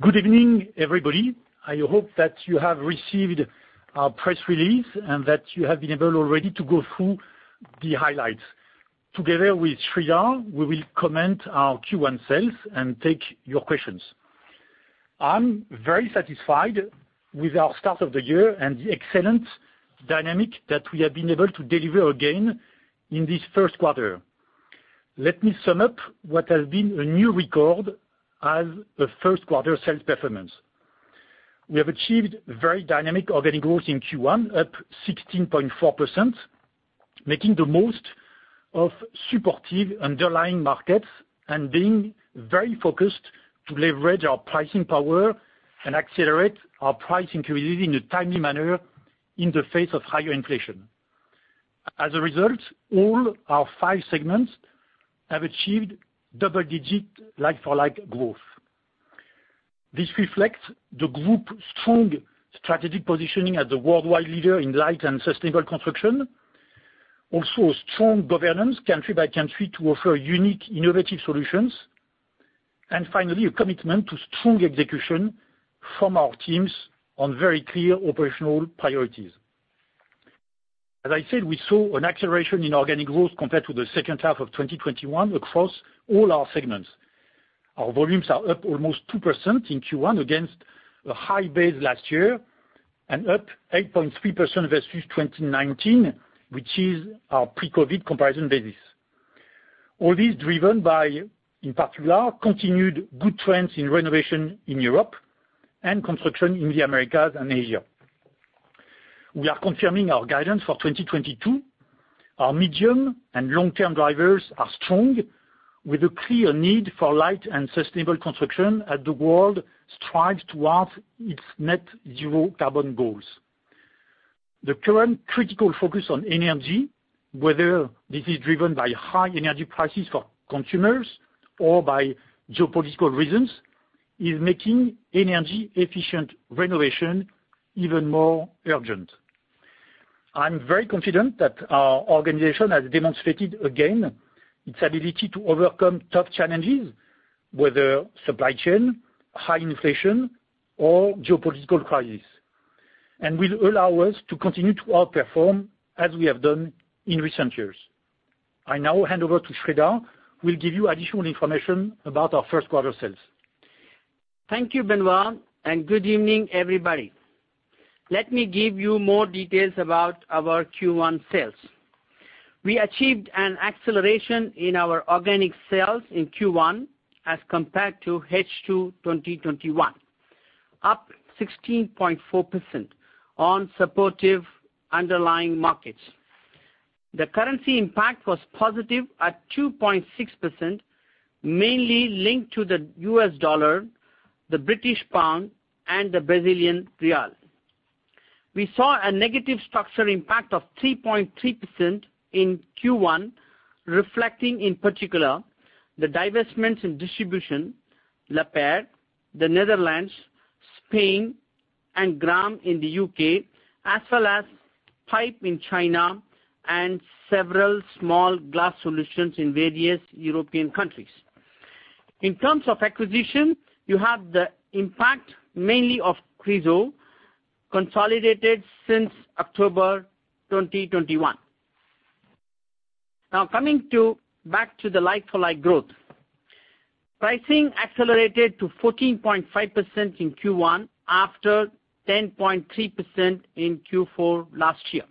Good evening, everybody. I hope that you have received our press release and that you have been able already to go through the highlights. Together with Sreedhar, we will comment our Q1 sales and take your questions. I'm very satisfied with our start of the year and the excellent dynamic that we have been able to deliver again in this first quarter. Let me sum up what has been a new record as a first quarter sales performance. We have achieved very dynamic organic growth in Q1, up 16.4%, making the most of supportive underlying markets and being very focused to leverage our pricing power and accelerate our price increase in a timely manner in the face of higher inflation. As a result, all our five segments have achieved double-digit like-for-like growth. This reflects the group's strong strategic positioning as the worldwide leader in light and sustainable construction. Also, a strong governance country by country to offer unique, innovative solutions. Finally, a commitment to strong execution from our teams on very clear operational priorities. As I said, we saw an acceleration in organic growth compared to the second half of 2021 across all our segments. Our volumes are up almost 2% in Q1 against a high base last year, and up 8.3% versus 2019, which is our pre-COVID comparison basis. All these driven by, in particular, continued good trends in renovation in Europe and construction in the Americas and Asia. We are confirming our guidance for 2022. Our medium and long-term drivers are strong, with a clear need for light and sustainable construction as the world strives towards its net zero carbon goals. The current critical focus on energy, whether this is driven by high energy prices for consumers or by geopolitical reasons, is making energy efficient renovation even more urgent. I'm very confident that our organization has demonstrated again its ability to overcome tough challenges, whether supply chain, high inflation, or geopolitical crisis, and will allow us to continue to outperform as we have done in recent years. I now hand over to Sreedhar who will give you additional information about our first quarter sales. Thank you, Benoît, and good evening, everybody. Let me give you more details about our Q1 sales. We achieved an acceleration in our organic sales in Q1 as compared to H2 2021, up 16.4% on supportive underlying markets. The currency impact was positive at 2.6%, mainly linked to the U.S dollar, the British pound, and the Brazilian real. We saw a negative structural impact of 3.3% in Q1, reflecting in particular the divestments in distribution, Lapeyre, the Netherlands, Spain, and Graham in the U.K., as well as PAM in China and several small glass solutions in various European countries. In terms of acquisition, you have the impact mainly of CHRYSO, consolidated since October 2021. Now back to the like-for-like growth. Pricing accelerated to 14.5% in Q1 after 10.3% in Q4 last year.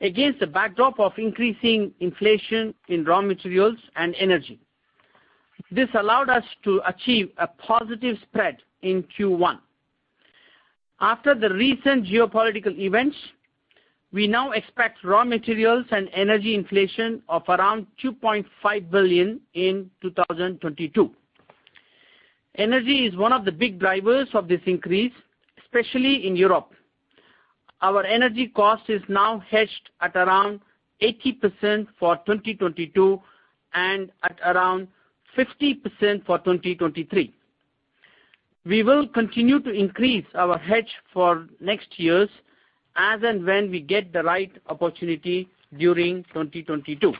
Against the backdrop of increasing inflation in raw materials and energy, this allowed us to achieve a positive spread in Q1. After the recent geopolitical events, we now expect raw materials and energy inflation of around 2.5 billion in 2022. Energy is one of the big drivers of this increase, especially in Europe. Our energy cost is now hedged at around 80% for 2022 and at around 50% for 2023. We will continue to increase our hedge for next years as and when we get the right opportunity during 2022.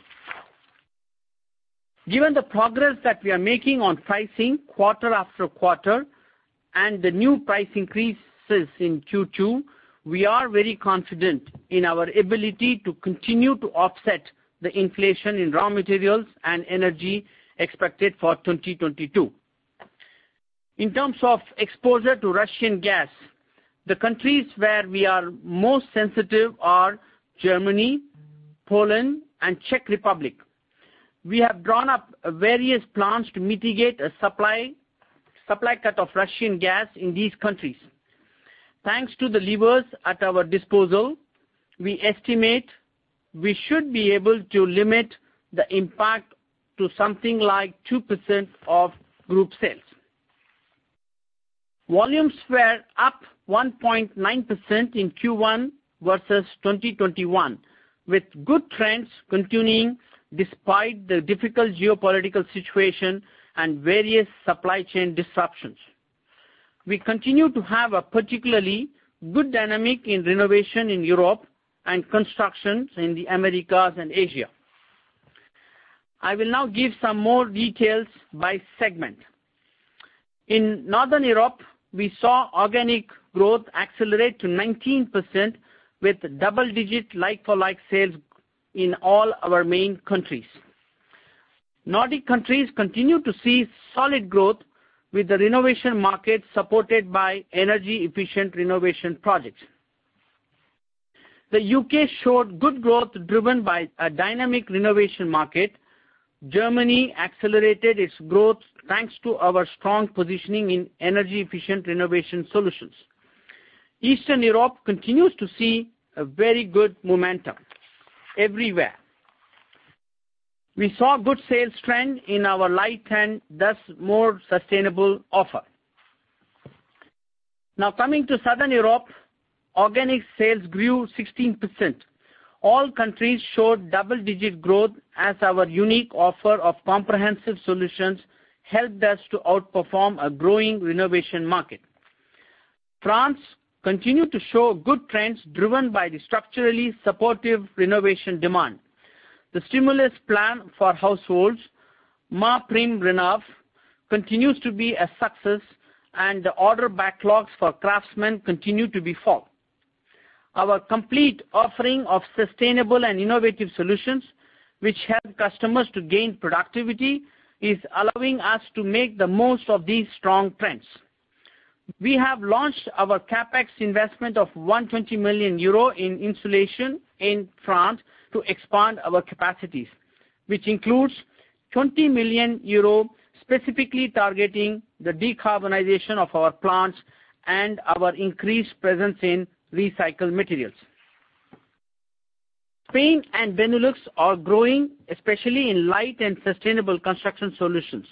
Given the progress that we are making on pricing quarter after quarter and the new price increases in Q2, we are very confident in our ability to continue to offset the inflation in raw materials and energy expected for 2022. In terms of exposure to Russian gas, the countries where we are most sensitive are Germany, Poland, and Czech Republic. We have drawn up various plans to mitigate a supply cut of Russian gas in these countries. Thanks to the levers at our disposal, we estimate we should be able to limit the impact to something like 2% of group sales. Volumes were up 1.9% in Q1 versus 2021, with good trends continuing despite the difficult geopolitical situation and various supply chain disruptions. We continue to have a particularly good dynamic in renovation in Europe and constructions in the Americas and Asia. I will now give some more details by segment. In Northern Europe, we saw organic growth accelerate to 19% with double-digit like-for-like sales in all our main countries. Nordic countries continue to see solid growth with the renovation market supported by energy-efficient renovation projects. The U.K. showed good growth driven by a dynamic renovation market. Germany accelerated its growth, thanks to our strong positioning in energy-efficient renovation solutions. Eastern Europe continues to see a very good momentum everywhere. We saw good sales trend in our light and thus more sustainable offer. Now coming to Southern Europe, organic sales grew 16%. All countries showed double-digit growth as our unique offer of comprehensive solutions helped us to outperform a growing renovation market. France continued to show good trends driven by the structurally supportive renovation demand. The stimulus plan for households, MaPrimeRénov', continues to be a success, and the order backlogs for craftsmen continue to be full. Our complete offering of sustainable and innovative solutions, which help customers to gain productivity, is allowing us to make the most of these strong trends. We have launched our CapEx investment of 120 million euro in insulation in France to expand our capacities, which includes 20 million euro specifically targeting the decarbonization of our plants and our increased presence in recycled materials. Spain and Benelux are growing, especially in light and sustainable construction solutions,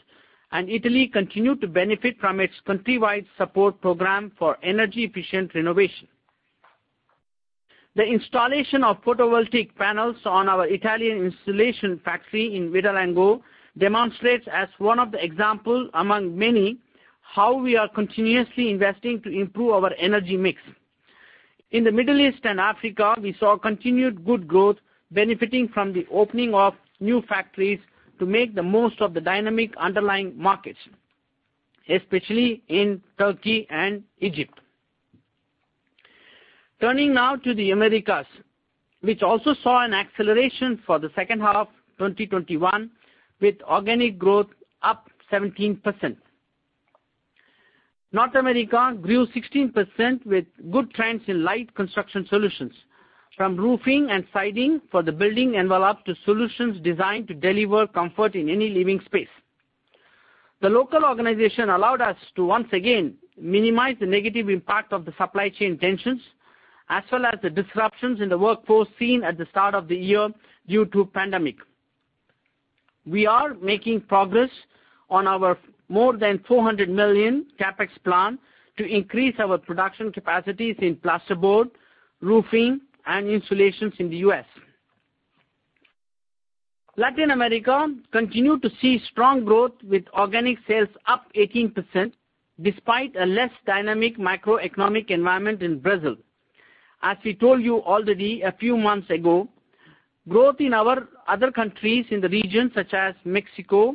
and Italy continued to benefit from its country-wide support program for energy efficient renovation. The installation of photovoltaic panels on our Italian insulation factory in Vidalengo demonstrates as one of the examples among many, how we are continuously investing to improve our energy mix. In the Middle East and Africa, we saw continued good growth benefiting from the opening of new factories to make the most of the dynamic underlying markets, especially in Turkey and Egypt. Turning now to the Americas, which also saw an acceleration for the second half 2021, with organic growth up 17%. North America grew 16% with good trends in light construction solutions, from roofing and siding for the building envelope to solutions designed to deliver comfort in any living space. The local organization allowed us to once again minimize the negative impact of the supply chain tensions, as well as the disruptions in the workforce seen at the start of the year due to pandemic. We are making progress on our more than 400 million CapEx plan to increase our production capacities in plasterboard, roofing, and insulation in the U.S. Latin America continued to see strong growth with organic sales up 18% despite a less dynamic macroeconomic environment in Brazil. As we told you already a few months ago, growth in our other countries in the region, such as Mexico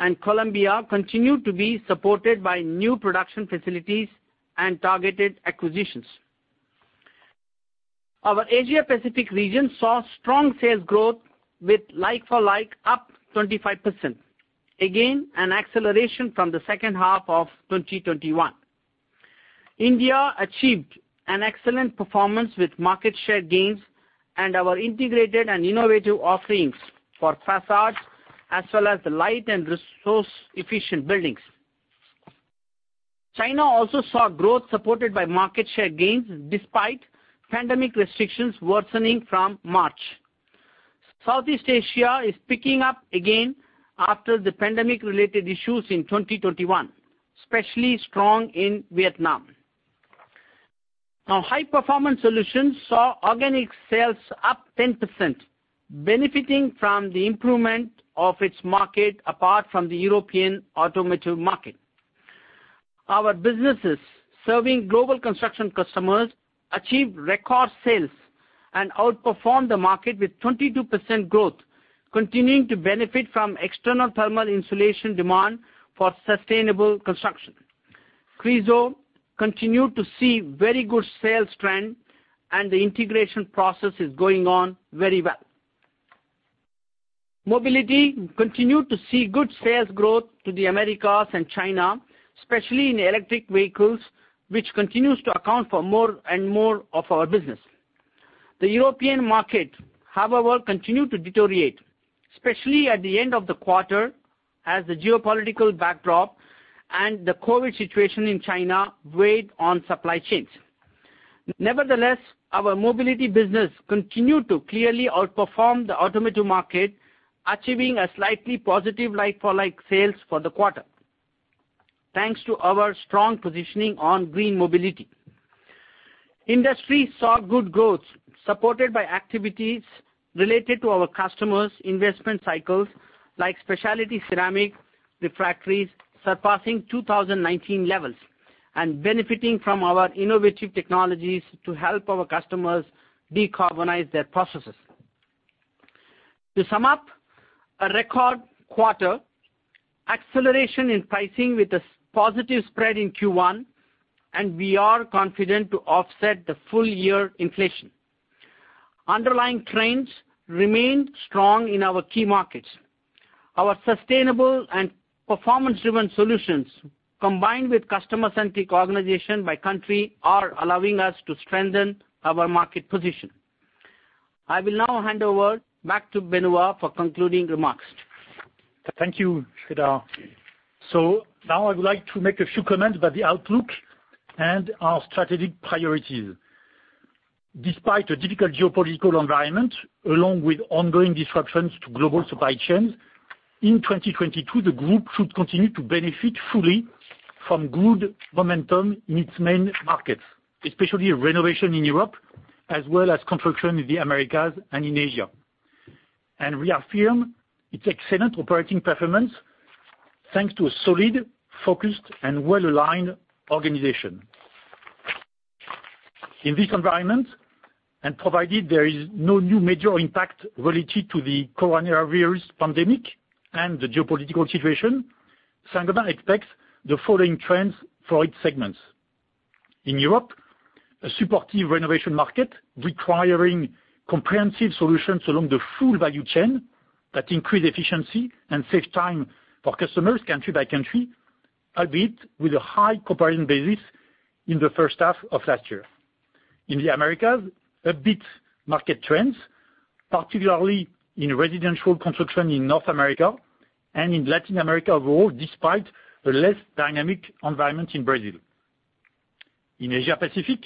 and Colombia, continued to be supported by new production facilities and targeted acquisitions. Our Asia Pacific region saw strong sales growth with like-for-like up 25%. Again, an acceleration from the second half of 2021. India achieved an excellent performance with market share gains and our integrated and innovative offerings for facades, as well as the light and resource efficient buildings. China also saw growth supported by market share gains despite pandemic restrictions worsening from March. Southeast Asia is picking up again after the pandemic related issues in 2021, especially strong in Vietnam. Now, High Performance Solutions saw organic sales up 10%, benefiting from the improvement of its market apart from the European automotive market. Our businesses serving global construction customers achieved record sales and outperformed the market with 22% growth, continuing to benefit from external thermal insulation demand for sustainable construction. CHRYSO continued to see very good sales trend, and the integration process is going on very well. Mobility continued to see good sales growth to the Americas and China, especially in electric vehicles, which continues to account for more and more of our business. The European market, however, continued to deteriorate, especially at the end of the quarter as the geopolitical backdrop and the COVID situation in China weighed on supply chains. Nevertheless, our mobility business continued to clearly outperform the automotive market, achieving a slightly positive like-for-like sales for the quarter, thanks to our strong positioning on green mobility. Industry saw good growth, supported by activities related to our customers' investment cycles like specialty ceramic refractories surpassing 2019 levels. Benefiting from our innovative technologies to help our customers decarbonize their processes. To sum up, a record quarter, acceleration in pricing with a positive spread in Q1, and we are confident to offset the full year inflation. Underlying trends remain strong in our key markets. Our sustainable and performance-driven solutions, combined with customer-centric organization by country, are allowing us to strengthen our market position. I will now hand over back to Benoît for concluding remarks. Thank you, Sreedhar. Now I would like to make a few comments about the outlook and our strategic priorities. Despite a difficult geopolitical environment, along with ongoing disruptions to global supply chains, in 2022, the group should continue to benefit fully from good momentum in its main markets, especially renovation in Europe, as well as construction in the Americas and in Asia. We affirm its excellent operating performance thanks to a solid, focused, and well-aligned organization. In this environment, and provided there is no new major impact related to the coronavirus pandemic and the geopolitical situation, Saint-Gobain expects the following trends for its segments. In Europe, a supportive renovation market requiring comprehensive solutions along the full value chain that increase efficiency and save time for customers country by country, albeit with a high comparison basis in the first half of last year. In the Americas, amid market trends, particularly in residential construction in North America and in Latin America overall, despite a less dynamic environment in Brazil. In Asia Pacific,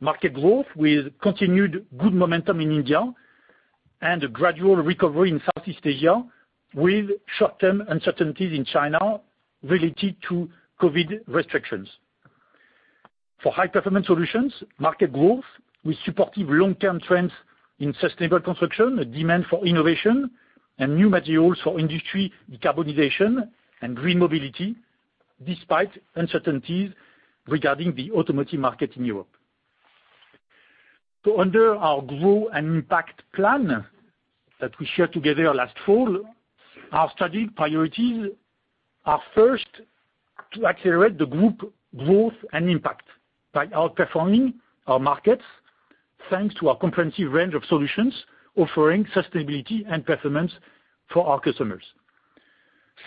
market growth with continued good momentum in India and a gradual recovery in Southeast Asia with short-term uncertainties in China related to COVID restrictions. For High Performance Solutions, market growth with supportive long-term trends in sustainable construction, a demand for innovation, and new materials for industry decarbonization and green mobility, despite uncertainties regarding the automotive market in Europe. Under our Grow & Impact plan that we shared together last fall, our strategic priorities are first to accelerate the group growth and impact by outperforming our markets, thanks to our comprehensive range of solutions offering sustainability and performance for our customers.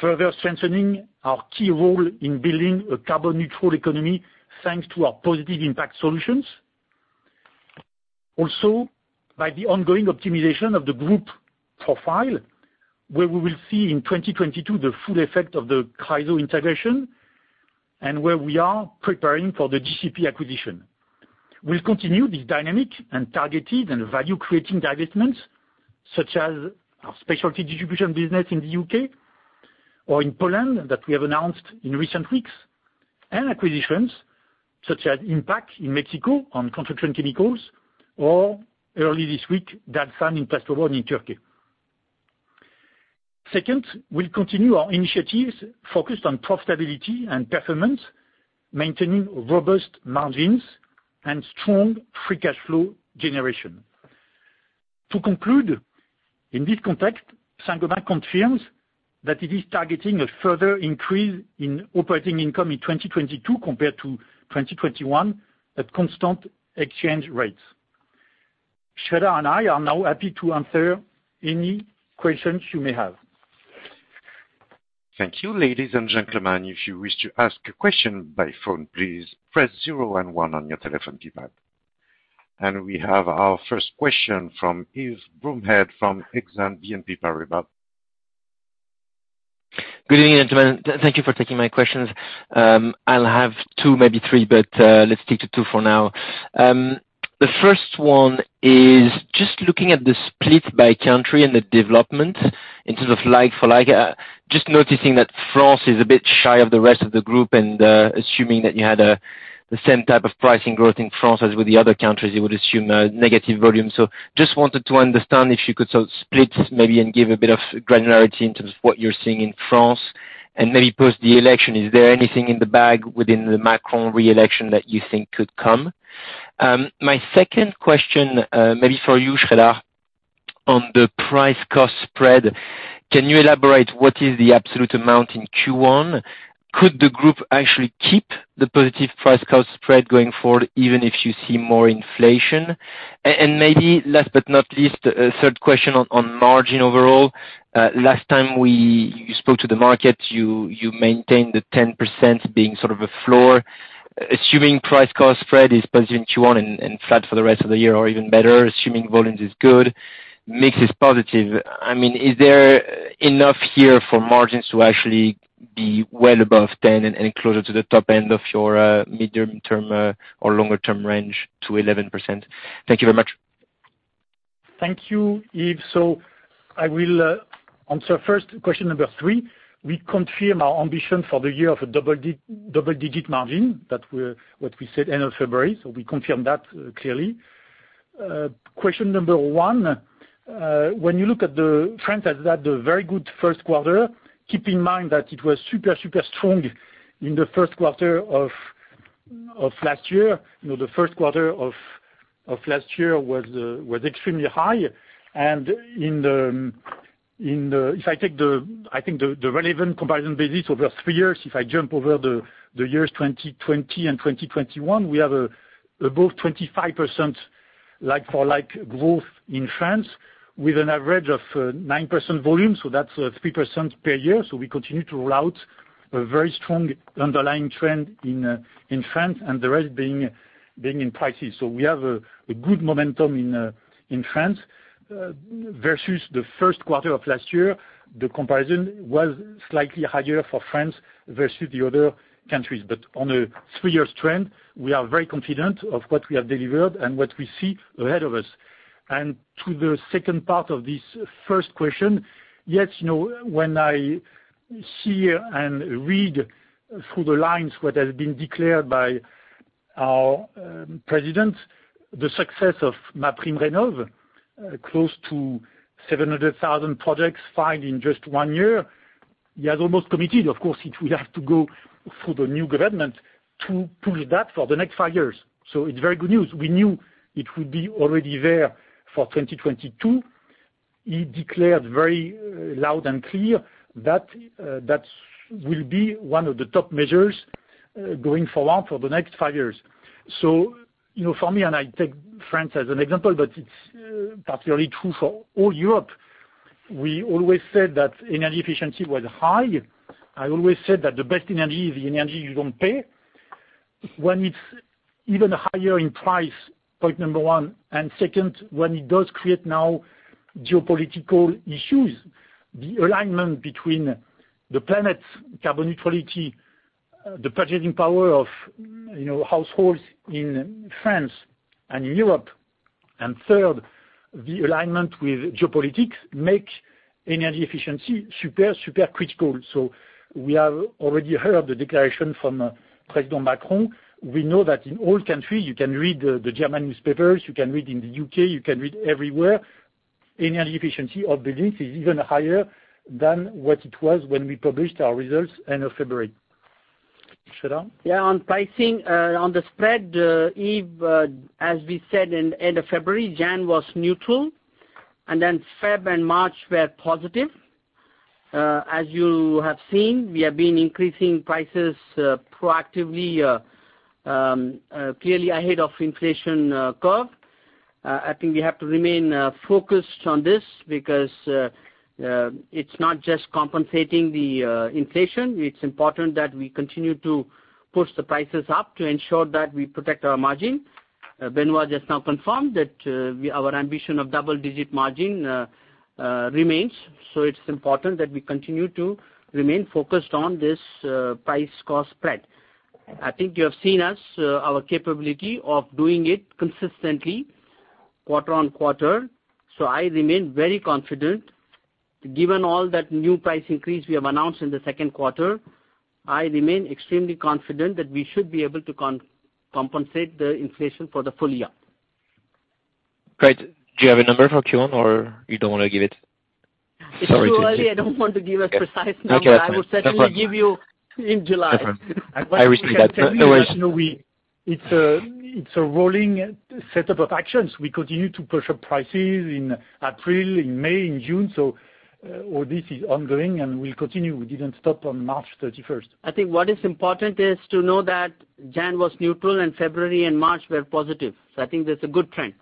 Further strengthening our key role in building a carbon neutral economy, thanks to our positive impact solutions. Also, by the ongoing optimization of the group profile, where we will see in 2022 the full effect of the CHRYSO integration, and where we are preparing for the GCP acquisition. We'll continue this dynamic and targeted and value-creating divestments, such as our specialty distribution business in the U.K. or in Poland that we have announced in recent weeks, and acquisitions such as IMPAC in Mexico on construction chemicals or early this week, Dalsan in plasterboard in Turkey. Second, we'll continue our initiatives focused on profitability and performance, maintaining robust margins and strong free cash flow generation. To conclude, in this context, Saint-Gobain confirms that it is targeting a further increase in operating income in 2022 compared to 2021 at constant exchange rates. Sreedhar and I are now happy to answer any questions you may have. Thank you, ladies and gentlemen. If you wish to ask a question by phone, please press zero and one on your telephone keypad. We have our first question from Yves Bromehead from Exane BNP Paribas. Good evening, gentlemen. Thank you for taking my questions. I'll have two, maybe three, but let's stick to two for now. The first one is just looking at the split by country and the development in terms of like-for-like, just noticing that France is a bit shy of the rest of the group and, assuming that you had the same type of pricing growth in France as with the other countries, you would assume negative volume. So just wanted to understand if you could sort of split maybe and give a bit of granularity in terms of what you're seeing in France. Maybe post the election, is there anything in the bag within the Macron re-election that you think could come? My second question, maybe for you, Sreedhar, on the price-cost spread, can you elaborate what is the absolute amount in Q1? Could the group actually keep the positive price-cost spread going forward, even if you see more inflation? And maybe last but not least, a third question on margin overall. Last time you spoke to the market, you maintained the 10% being sort of a floor. Assuming price-cost spread is positive in Q1 and flat for the rest of the year or even better, assuming volumes is good, mix is positive. I mean, is there enough here for margins to actually be well above 10% and closer to the top end of your medium-term or longer-term range to 11%? Thank you very much. Thank you, Yves. I will answer first question number three. We confirm our ambition for the year of a double-digit margin. That's what we said end of February. We confirm that clearly. Question number one, when you look at France, it has had a very good first quarter. Keep in mind that it was super strong in the first quarter of last year. You know, the first quarter of last year was extremely high. If I take the relevant comparison basis over three years, if I jump over the years 2020 and 2021, we have above 25% like-for-like growth in France with an average of 9% volume, so that's 3% per year. We continue to roll out a very strong underlying trend in France and the rest being in prices. We have a good momentum in France versus the first quarter of last year, the comparison was slightly higher for France versus the other countries. On a three-year trend, we are very confident of what we have delivered and what we see ahead of us. To the second part of this first question, yes, you know, when I see and read through the lines what has been declared by our president, the success of MaPrimeRénov', close to 700,000 projects filed in just one year, he has almost committed. Of course, it will have to go through the new government to push that for the next five years. It's very good news. We knew it would be already there for 2022. He declared very loud and clear that that will be one of the top measures going forward for the next five years. You know, for me, and I take France as an example, but it's particularly true for all Europe, we always said that energy efficiency was high. I always said that the best energy is the energy you don't pay. When it's even higher in price, point number one, and second, when it does create now geopolitical issues, the alignment between the planet's carbon neutrality, the purchasing power of, you know, households in France and in Europe. Third, the alignment with geopolitics make energy efficiency super critical. We have already heard the declaration from President Macron. We know that in all countries, you can read the German newspapers, you can read in the U.K., you can read everywhere, energy efficiency of buildings is even higher than what it was when we published our results end of February. Sreedhar? Yeah, on pricing, on the spread, Yves, as we said at the end of February, January was neutral, and then February and March were positive. As you have seen, we have been increasing prices proactively, clearly ahead of inflation curve. I think we have to remain focused on this because it's not just compensating the inflation. It's important that we continue to push the prices up to ensure that we protect our margin. Benoît just now confirmed that our ambition of double-digit margin remains. It's important that we continue to remain focused on this price-cost spread. I think you have seen our capability of doing it consistently quarter on quarter. I remain very confident, given all that new price increase we have announced in the second quarter, I remain extremely confident that we should be able to compensate the inflation for the full year. Great. Do you have a number for Q1 or you don't want to give it? It's too early. I don't want to give a precise number. Okay. Okay, that's fine. No problem. I will certainly give you in July. No problem. I respect that. No worries. You know, it's a rolling set of actions. We continue to push up prices in April, in May, in June. All this is ongoing and will continue. We didn't stop on March 31st. I think what is important is to know that January was neutral and February and March were positive. I think that's a good trend.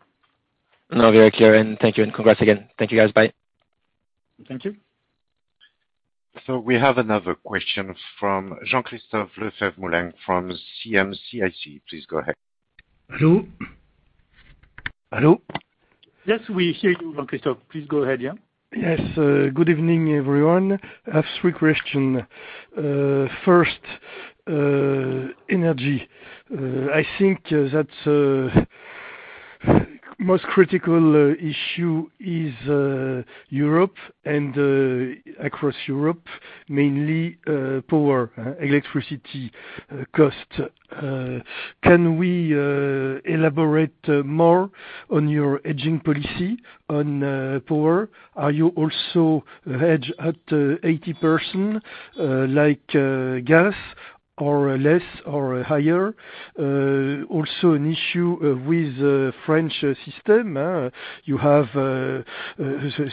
No, very clear. Thank you and congrats again. Thank you, guys. Bye. Thank you. We have another question from Jean-Christophe Lefèvre-Moulenq from CM-CIC. Please go ahead. Hello? Hello? Yes, we hear you, Jean-Christophe. Please go ahead, yeah. Good evening, everyone. I have three questions. First, energy. I think that most critical issue is Europe and across Europe, mainly power, electricity cost. Can we elaborate more on your hedging policy on power? Are you also hedged at 80%, like gas or less or higher? Also an issue with the French system, you have the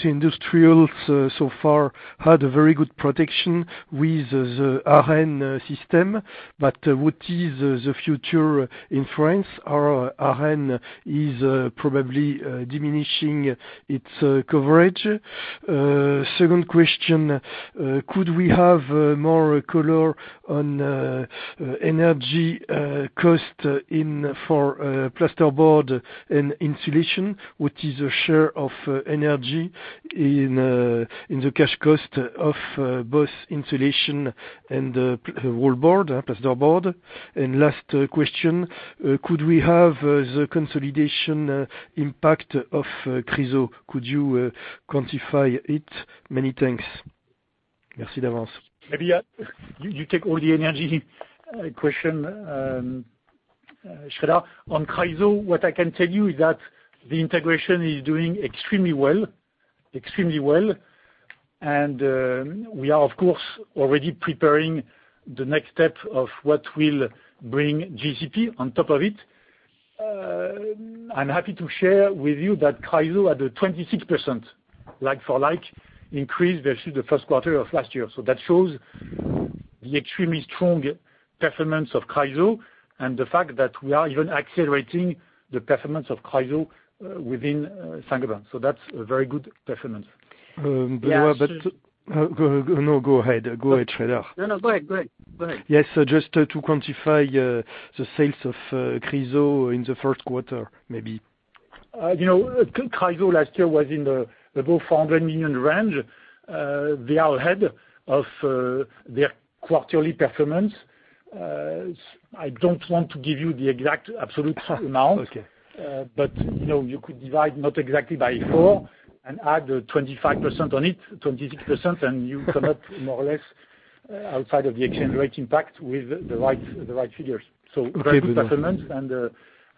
industrials so far had a very good protection with the ARENH system. But what is the future in France? ARENH is probably diminishing its coverage. Second question, could we have more color on energy cost for plasterboard and insulation? What is the share of energy in the cash cost of both insulation and wallboard, plasterboard? Last question, could we have the consolidation impact of CHRYSO? Could you quantify it? Many thanks. Maybe you take all the energy question, Sreedhar. On CHRYSO, what I can tell you is that the integration is doing extremely well. We are of course already preparing the next step of what will bring GCP on top of it. I'm happy to share with you that CHRYSO had a 26% like-for-like increase versus the first quarter of last year. That shows the extremely strong performance of CHRYSO and the fact that we are even accelerating the performance of CHRYSO within Saint-Gobain. That's a very good performance. Um, but- Yeah. No, go ahead. Go ahead, Sreedhar. No, go ahead. Go ahead. Yes. Just to quantify, the sales of CHRYSO in the first quarter, maybe. You know, CHRYSO last year was in the above 400 million range. They are ahead of their quarterly performance. I don't want to give you the exact absolute amount. Okay. You know, you could divide not exactly by four and add the 25% on it, 26%, and you come out more or less outside of the exchange rate impact with the right figures. Very good performance.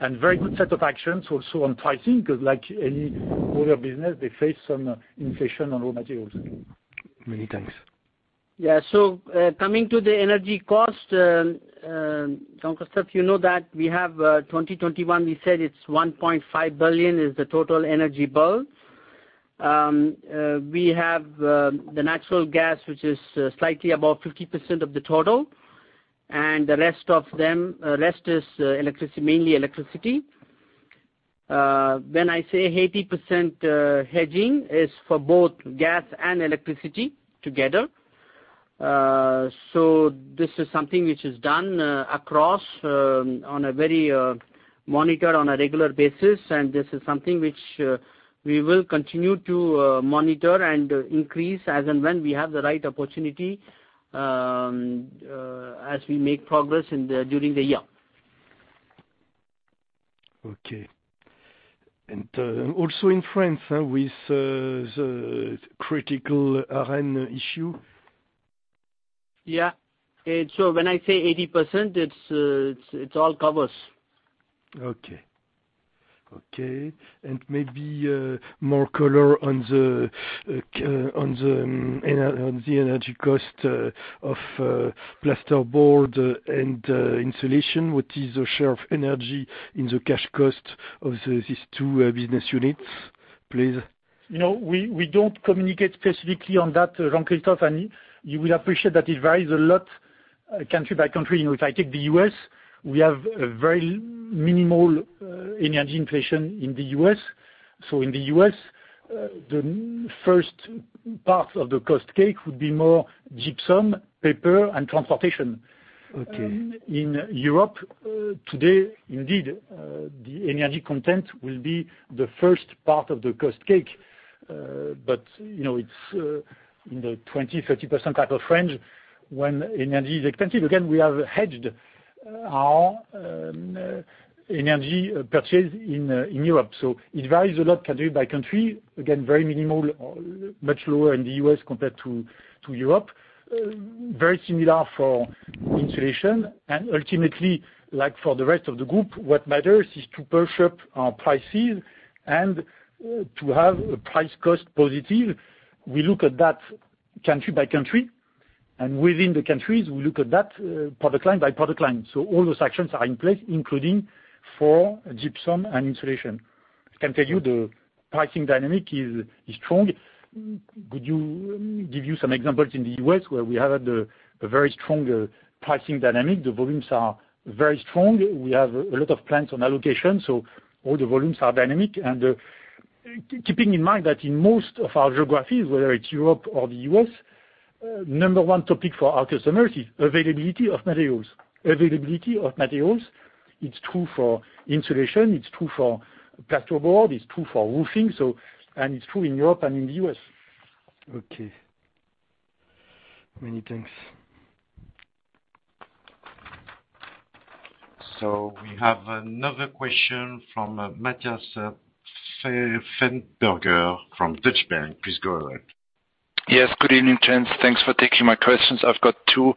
Okay. Very good set of actions also on pricing, because like any other business, they face some inflation on raw materials. Many thanks. Yeah. Coming to the energy cost, Jean-Christophe, you know that in 2021 we said it's 1.5 billion, the total energy bill. We have the natural gas, which is slightly above 50% of the total, and the rest is electricity, mainly electricity. When I say 80%, hedging is for both gas and electricity together. This is something which is done across and monitored on a regular basis. This is something which we will continue to monitor and increase as and when we have the right opportunity, as we make progress during the year. Okay. Also in France, with the critical ARENH issue. Yeah. When I say 80%, it's all covers. Okay. Maybe more color on the energy cost of plasterboard and insulation. What is the share of energy in the cash costs of these two business units, please? You know, we don't communicate specifically on that, Jean-Christophe. You will appreciate that it varies a lot, country by country. You know, if I take the U.S., we have a very minimal energy inflation in the U.S. In the U.S., the first part of the cost cake would be more gypsum, paper, and transportation. Okay. In Europe, today, indeed, the energy content will be the first part of the cost cake. You know, it's in the 20%-30% type of range. When energy is expensive, again, we have hedged our energy purchase in Europe. It varies a lot country by country. Again, very minimal or much lower in the U.S. compared to Europe. Very similar for insulation. Ultimately, like for the rest of the group, what matters is to push up our prices and to have a price-cost positive. We look at that country by country, and within the countries, we look at that product line by product line. All those actions are in place, including for gypsum and insulation. I can tell you the pricing dynamic is strong. Could you give us some examples in the U.S. Where we have had a very strong pricing dynamic? The volumes are very strong. We have a lot of plants on allocation, so all the volumes are dynamic. Keeping in mind that in most of our geographies, whether it's Europe or the U.S., number one topic for our customers is availability of materials. Availability of materials, it's true for insulation, it's true for plasterboard, it's true for roofing. It's true in Europe and in the U.S. Okay. Many thanks. We have another question from Matthias Pfeifenberger from Deutsche Bank. Please go ahead. Yes, good evening, gents. Thanks for taking my questions. I've got two.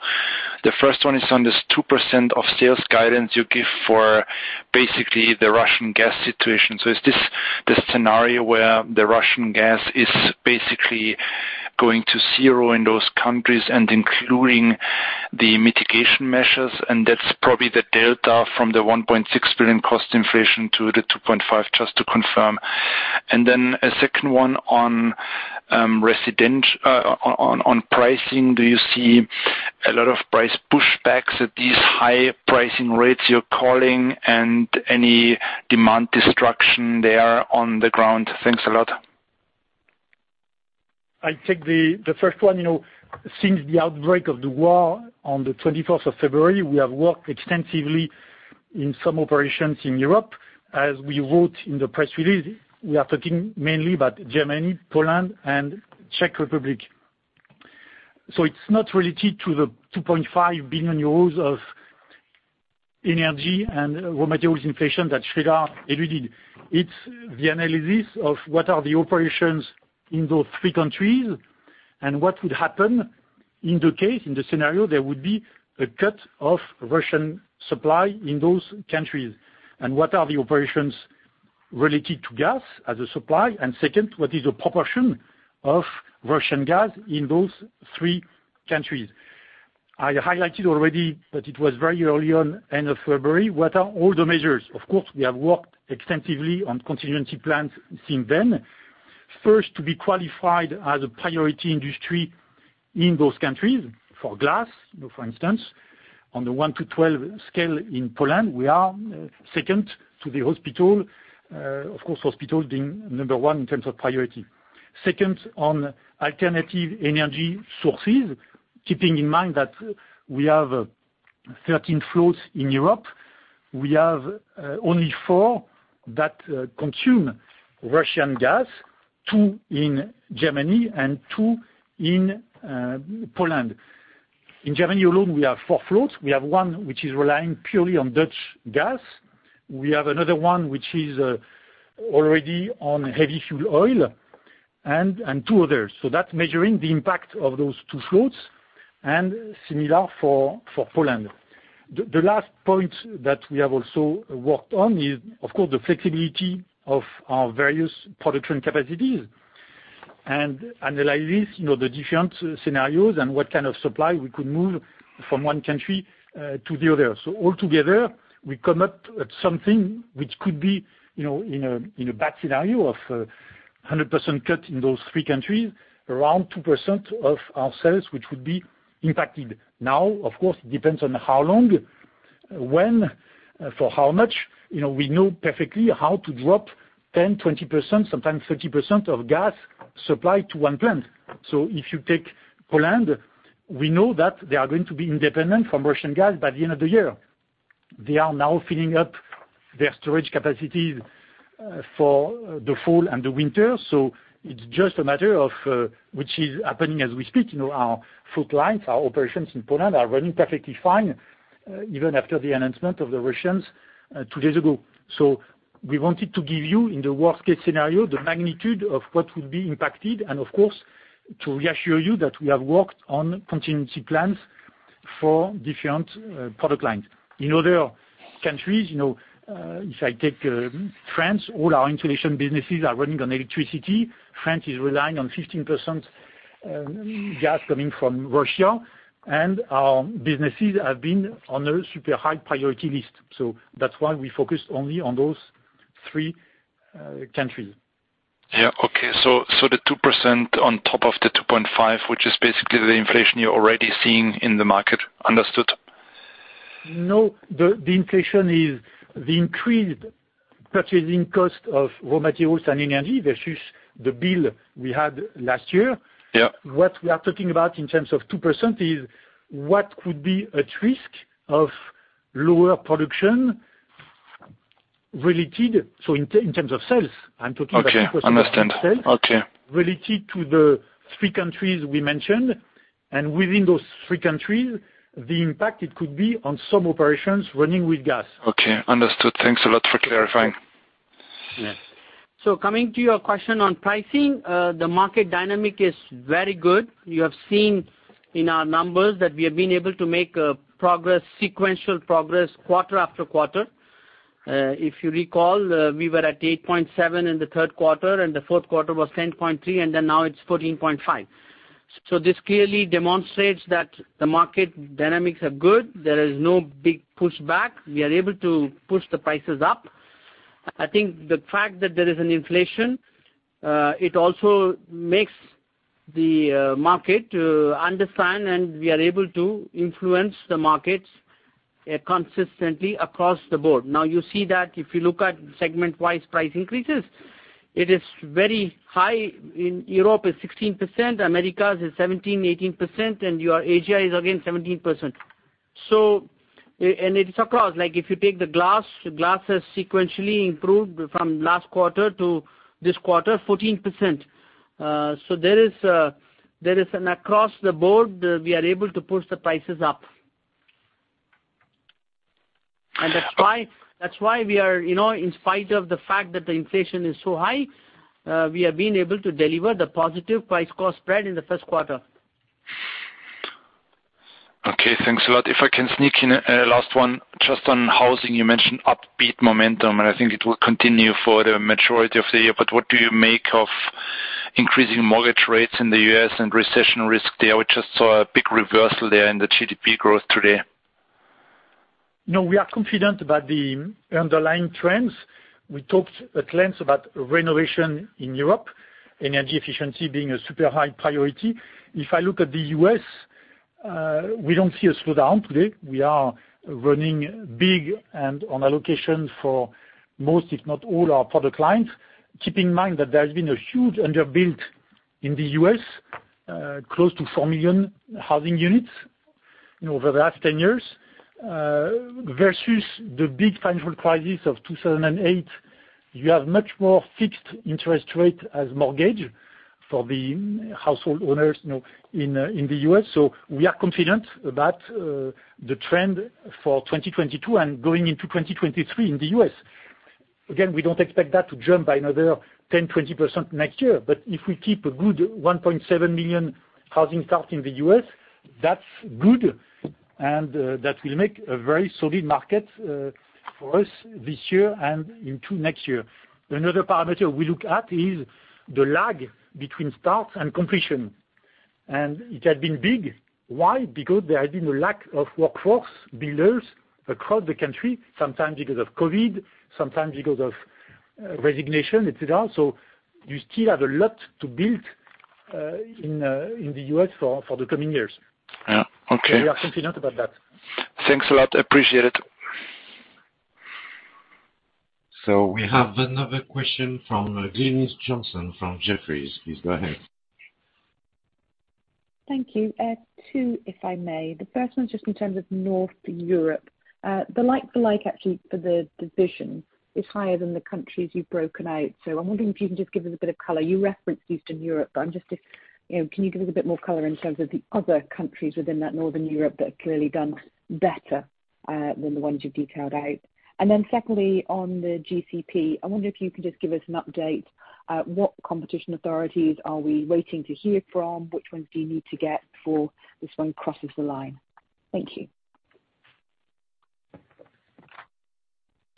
The first one is on this 2% of sales guidance you give for basically the Russian gas situation. Is this the scenario where the Russian gas is basically going to zero in those countries and including the mitigation measures? That's probably the delta from the 1.6 billion cost inflation to the 2.5 billion, just to confirm. A second one on pricing. Do you see a lot of price pushbacks at these high pricing rates you're calling and any demand destruction there on the ground? Thanks a lot. I'll take the first one. You know, since the outbreak of the war on the February 21st, we have worked extensively in some operations in Europe. As we wrote in the press release, we are talking mainly about Germany, Poland, and Czech Republic. It's not related to the 2.5 billion euros of energy and raw materials inflation that Sreedhar alluded. It's the analysis of what are the operations in those three countries and what would happen in the case, in the scenario, there would be a cut of Russian supply in those countries. What are the operations related to gas as a supply? Second, what is the proportion of Russian gas in those three countries? I highlighted already that it was very early on, end of February. What are all the measures? Of course, we have worked extensively on contingency plans since then. First, to be qualified as a priority industry in those countries for glass, for instance, on the one to 12 scale in Poland, we are second to the hospital, of course, hospital being number one in terms of priority. Second, on alternative energy sources, keeping in mind that we have 13 float lines in Europe, we have only four that consume Russian gas, two in Germany and two in Poland. In Germany alone, we have four float lines. We have one which is relying purely on Dutch gas. We have another one which is already on heavy fuel oil and two others. That's measuring the impact of those two float lines and similar for Poland. The last point that we have also worked on is, of course, the flexibility of our various production capacities and analyze this, you know, the different scenarios and what kind of supply we could move from one country to the other. All together, we come up with something which could be, you know, in a bad scenario of 100% cut in those three countries, around 2% of our sales, which would be impacted. Now, of course, it depends on how long, when, for how much. You know, we know perfectly how to drop 10%, 20%, sometimes 30% of gas supply to one plant. If you take Poland, we know that they are going to be independent from Russian gas by the end of the year. They are now filling up their storage capacities for the fall and the winter. It's just a matter of which is happening as we speak, you know, our float lines, our operations in Poland are running perfectly fine, even after the announcement of the Russians, two days ago. We wanted to give you, in the worst-case scenario, the magnitude of what would be impacted and of course, to reassure you that we have worked on contingency plans for different product lines. In other countries, you know, if I take France, all our insulation businesses are running on electricity. France is relying on 15% gas coming from Russia, and our businesses have been on a super high priority list. That's why we focus only on those three countries. The 2% on top of the 2.5%, which is basically the inflation you're already seeing in the market. Understood. No, the inflation is the increased purchasing cost of raw materials and energy versus the bill we had last year. Yeah. What we are talking about in terms of 2% is what could be at risk of lower production related, so in terms of sales, I'm talking about 2% in sales. Okay. Understand. Okay. related to the three countries we mentioned. Within those three countries, the impact it could be on some operations running with gas. Okay. Understood. Thanks a lot for clarifying. Yes. Coming to your question on pricing, the market dynamic is very good. You have seen in our numbers that we have been able to make progress, sequential progress quarter after quarter. If you recall, we were at 8.7 in the third quarter, and the fourth quarter was 10.3, and then now it's 14.5. This clearly demonstrates that the market dynamics are good. There is no big pushback. We are able to push the prices up. I think the fact that there is an inflation, it also makes the market to understand, and we are able to influence the markets consistently across the board. Now, you see that if you look at segment-wise price increases, it is very high. In Europe, it's 16%. Americas is 17%-18%. Your Asia is, again, 17%. It's across. Like, if you take the glass, the glass has sequentially improved from last quarter to this quarter, 14%. There is an across-the-board, we are able to push the prices up. That's why we are, you know, in spite of the fact that the inflation is so high, we have been able to deliver the positive price-cost spread in the first quarter. Okay, thanks a lot. If I can sneak in a last one just on housing. You mentioned upbeat momentum, and I think it will continue for the majority of the year. What do you make of increasing mortgage rates in the U.S. and recession risk there? We just saw a big reversal there in the GDP growth today. No, we are confident about the underlying trends. We talked at length about renovation in Europe, energy efficiency being a super high priority. If I look at the U.S., we don't see a slowdown today. We are running big and on allocation for most, if not all, our product lines. Keep in mind that there's been a huge underbuilt in the U.S., close to four million housing units over the last 10 years, versus the big financial crisis of 2008. You have much more fixed interest rate as mortgage for the household owners, you know, in the U.S. We are confident about the trend for 2022 and going into 2023 in the U.S. Again, we don't expect that to jump by another 10%, 20% next year. If we keep a good 1.7 million housing start in the U.S., that's good, and that will make a very solid market for us this year and into next year. Another parameter we look at is the lag between start and completion. It had been big. Why? Because there had been a lack of workforce builders across the country. Sometimes because of COVID, sometimes because of resignation, etc. You still have a lot to build in the U.S. for the coming years. Yeah. Okay. We are confident about that. Thanks a lot. Appreciate it. We have another question from Glynis Johnson from Jefferies. Please go ahead. Thank you. Two, if I may. The first one is just in terms of Northern Europe. The like-for-like, actually for the division is higher than the countries you've broken out, so I'm wondering if you can just give us a bit of color. You referenced Eastern Europe, but you know, can you give us a bit more color in terms of the other countries within that Northern Europe that have clearly done better than the ones you've detailed out? And then secondly, on the GCP, I wonder if you can just give us an update. What competition authorities are we waiting to hear from? Which ones do you need to get before this one crosses the line? Thank you.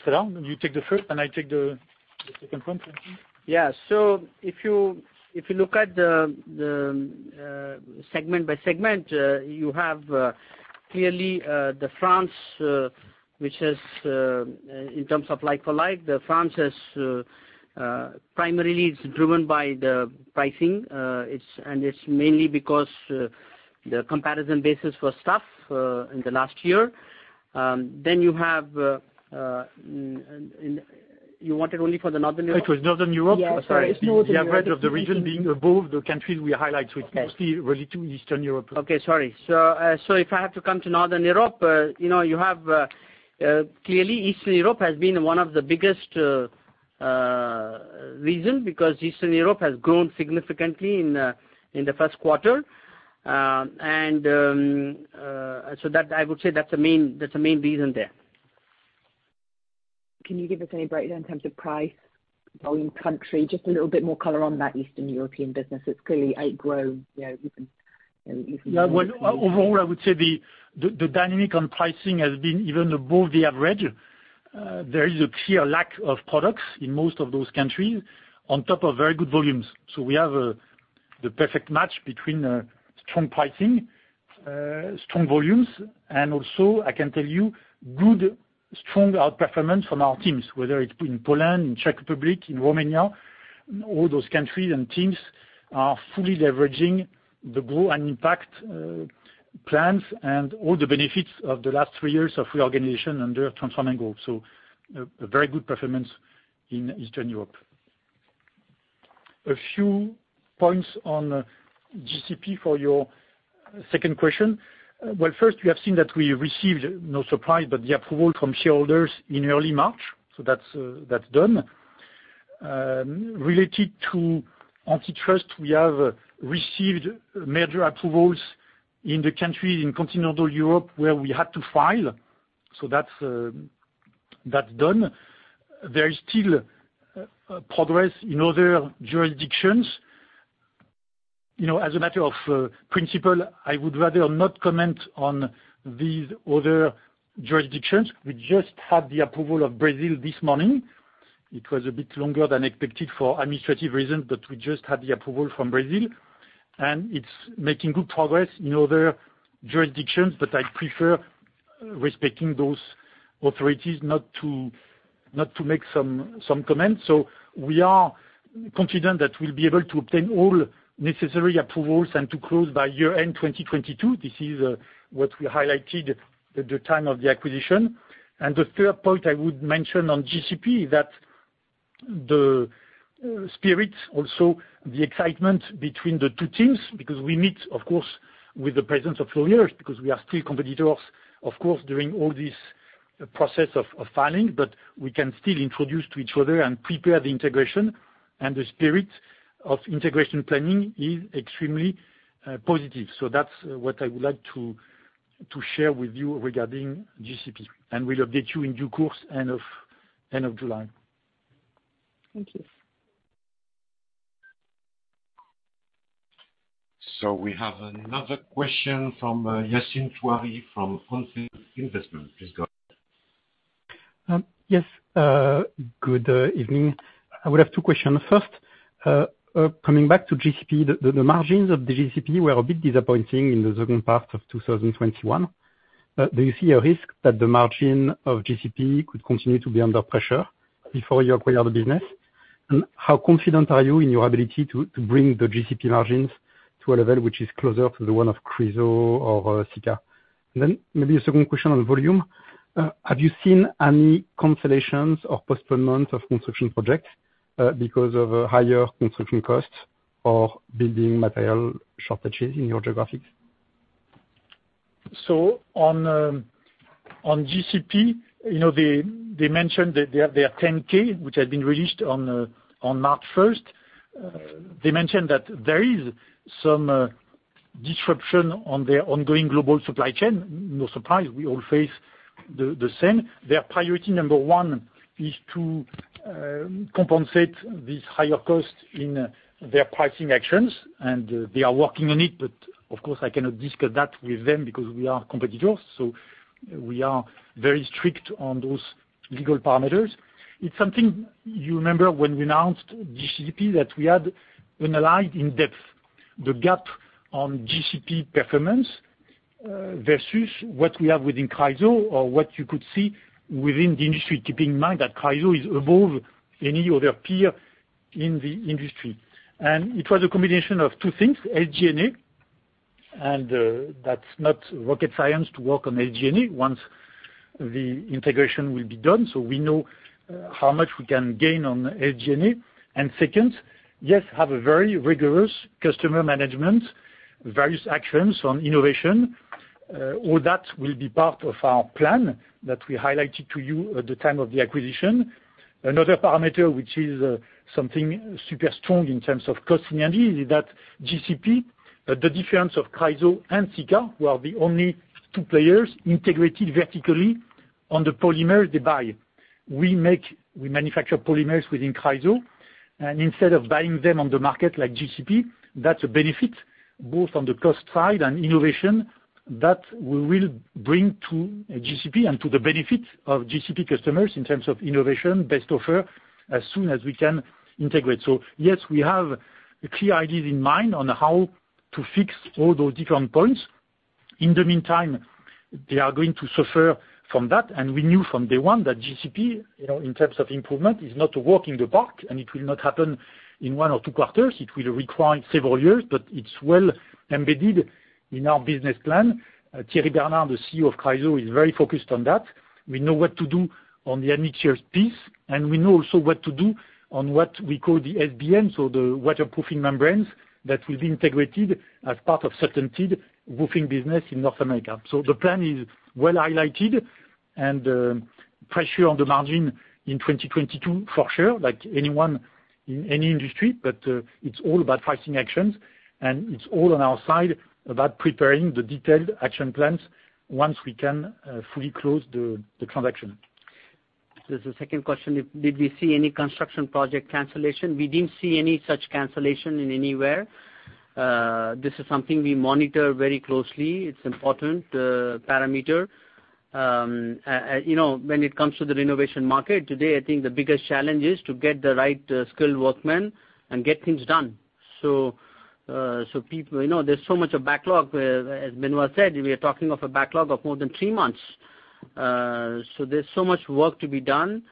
Sreedhar, you take the first and I take the second one. Yeah. If you look at the segment by segment, you have clearly the France, which has in terms of like-for-like, the France has primarily is driven by the pricing. And it's mainly because the comparison basis was tough in the last year. Then you have. You wanted only for the Northern Europe? It was Northern Europe. Sorry. Yeah, it's Northern Europe. The average of the region being above the countries we highlight, which mostly relate to Eastern Europe. Okay. Sorry. If I have to come to Northern Europe, you know, you have clearly Eastern Europe has been one of the biggest region because Eastern Europe has grown significantly in the first quarter. I would say that's the main reason there. Can you give us any breakdown in terms of price, volume, country, just a little bit more color on that Eastern European business? It's clearly outgrown, you know. Yeah. Well, overall, I would say the dynamic on pricing has been even above the average. There is a clear lack of products in most of those countries on top of very good volumes. We have the perfect match between strong pricing, strong volumes, and also, I can tell you, good, strong outperformance from our teams, whether it's in Poland, in Czech Republic, in Romania. All those countries and teams are fully leveraging the Grow & Impact plans and all the benefits of the last three years of reorganization under Transform & Grow. So a very good performance in Eastern Europe. A few points on GCP for your second question. Well, first, we have seen that we received, no surprise, but the approval from shareholders in early March. So that's done. Related to antitrust, we have received major approvals in the countries in continental Europe where we had to file. That's done. There is still progress in other jurisdictions. You know, as a matter of principle, I would rather not comment on these other jurisdictions. We just had the approval of Brazil this morning. It was a bit longer than expected for administrative reasons, but we just had the approval from Brazil. It's making good progress in other jurisdictions, but I prefer respecting those authorities not to make some comments. We are confident that we'll be able to obtain all necessary approvals and to close by year-end 2022. This is what we highlighted at the time of the acquisition. The third point I would mention on GCP is that the spirit, also the excitement between the two teams, because we meet of course with the presence of flow leaders, because we are still competitors, of course, during all this process of filing. We can still introduce to each other and prepare the integration and the spirit of integration planning is extremely positive. That's what I would like to share with you regarding GCP, and we'll update you in due course end of July. Thank you. We have another question from Yassine Touahri from On Field Investment Research. Please go ahead. Yes. Good evening. I would have two questions. First, coming back to GCP, the margins of the GCP were a bit disappointing in the second part of 2021. Do you see a risk that the margin of GCP could continue to be under pressure before you acquire the business? And how confident are you in your ability to bring the GCP margins to a level which is closer to the one of CHRYSO or Sika? Maybe a second question on volume. Have you seen any cancellations or postponements of construction projects because of higher construction costs or building material shortages in your geographies? On GCP, you know, they mentioned that their 10-K, which had been released on March 1st. They mentioned that there is some disruption on their ongoing global supply chain. No surprise, we all face the same. Their priority number one is to compensate these higher costs in their pricing actions, and they are working on it. But of course, I cannot discuss that with them because we are competitors. We are very strict on those legal parameters. It's something you remember when we announced GCP that we had analyzed in depth the gap on GCP performance versus what we have within CHRYSO or what you could see within the industry, keeping in mind that CHRYSO is above any other peer in the industry. It was a combination of two things, SG&A, that's not rocket science to work on SG&A once the integration will be done. We know how much we can gain on SG&A. Second, yes, have a very rigorous customer management, various actions on innovation. All that will be part of our plan that we highlighted to you at the time of the acquisition. Another parameter which is something super strong in terms of cost is that GCP, the difference of CHRYSO and Sika, we are the only two players integrated vertically on the polymers they buy. We make, we manufacture polymers within CHRYSO, and instead of buying them on the market like GCP, that's a benefit both on the cost side and innovation that we will bring to GCP and to the benefit of GCP customers in terms of innovation, best offer, as soon as we can integrate. Yes, we have clear ideas in mind on how to fix all those different points. In the meantime, they are going to suffer from that. We knew from day one that GCP, you know, in terms of improvement, is not a walk in the park, and it will not happen in one or two quarters. It will require several years, but it's well embedded in our business plan. Thierry Bernard, the CEO of CHRYSO, is very focused on that. We know what to do on the admixtures piece, and we know also what to do on what we call the SBM, so the waterproofing membranes that will be integrated as part of CertainTeed roofing business in North America. The plan is well highlighted and pressure on the margin in 2022 for sure, like anyone in any industry. It's all about pricing actions, and it's all on our side about preparing the detailed action plans once we can fully close the transaction. There's a second question. Did we see any construction project cancellation? We didn't see any such cancellation anywhere. This is something we monitor very closely. It's important parameter. You know, when it comes to the renovation market today, I think the biggest challenge is to get the right skilled workmen and get things done. You know, there's such a backlog. As Benoît said, we are talking of a backlog of more than three months. There's so much work to be done.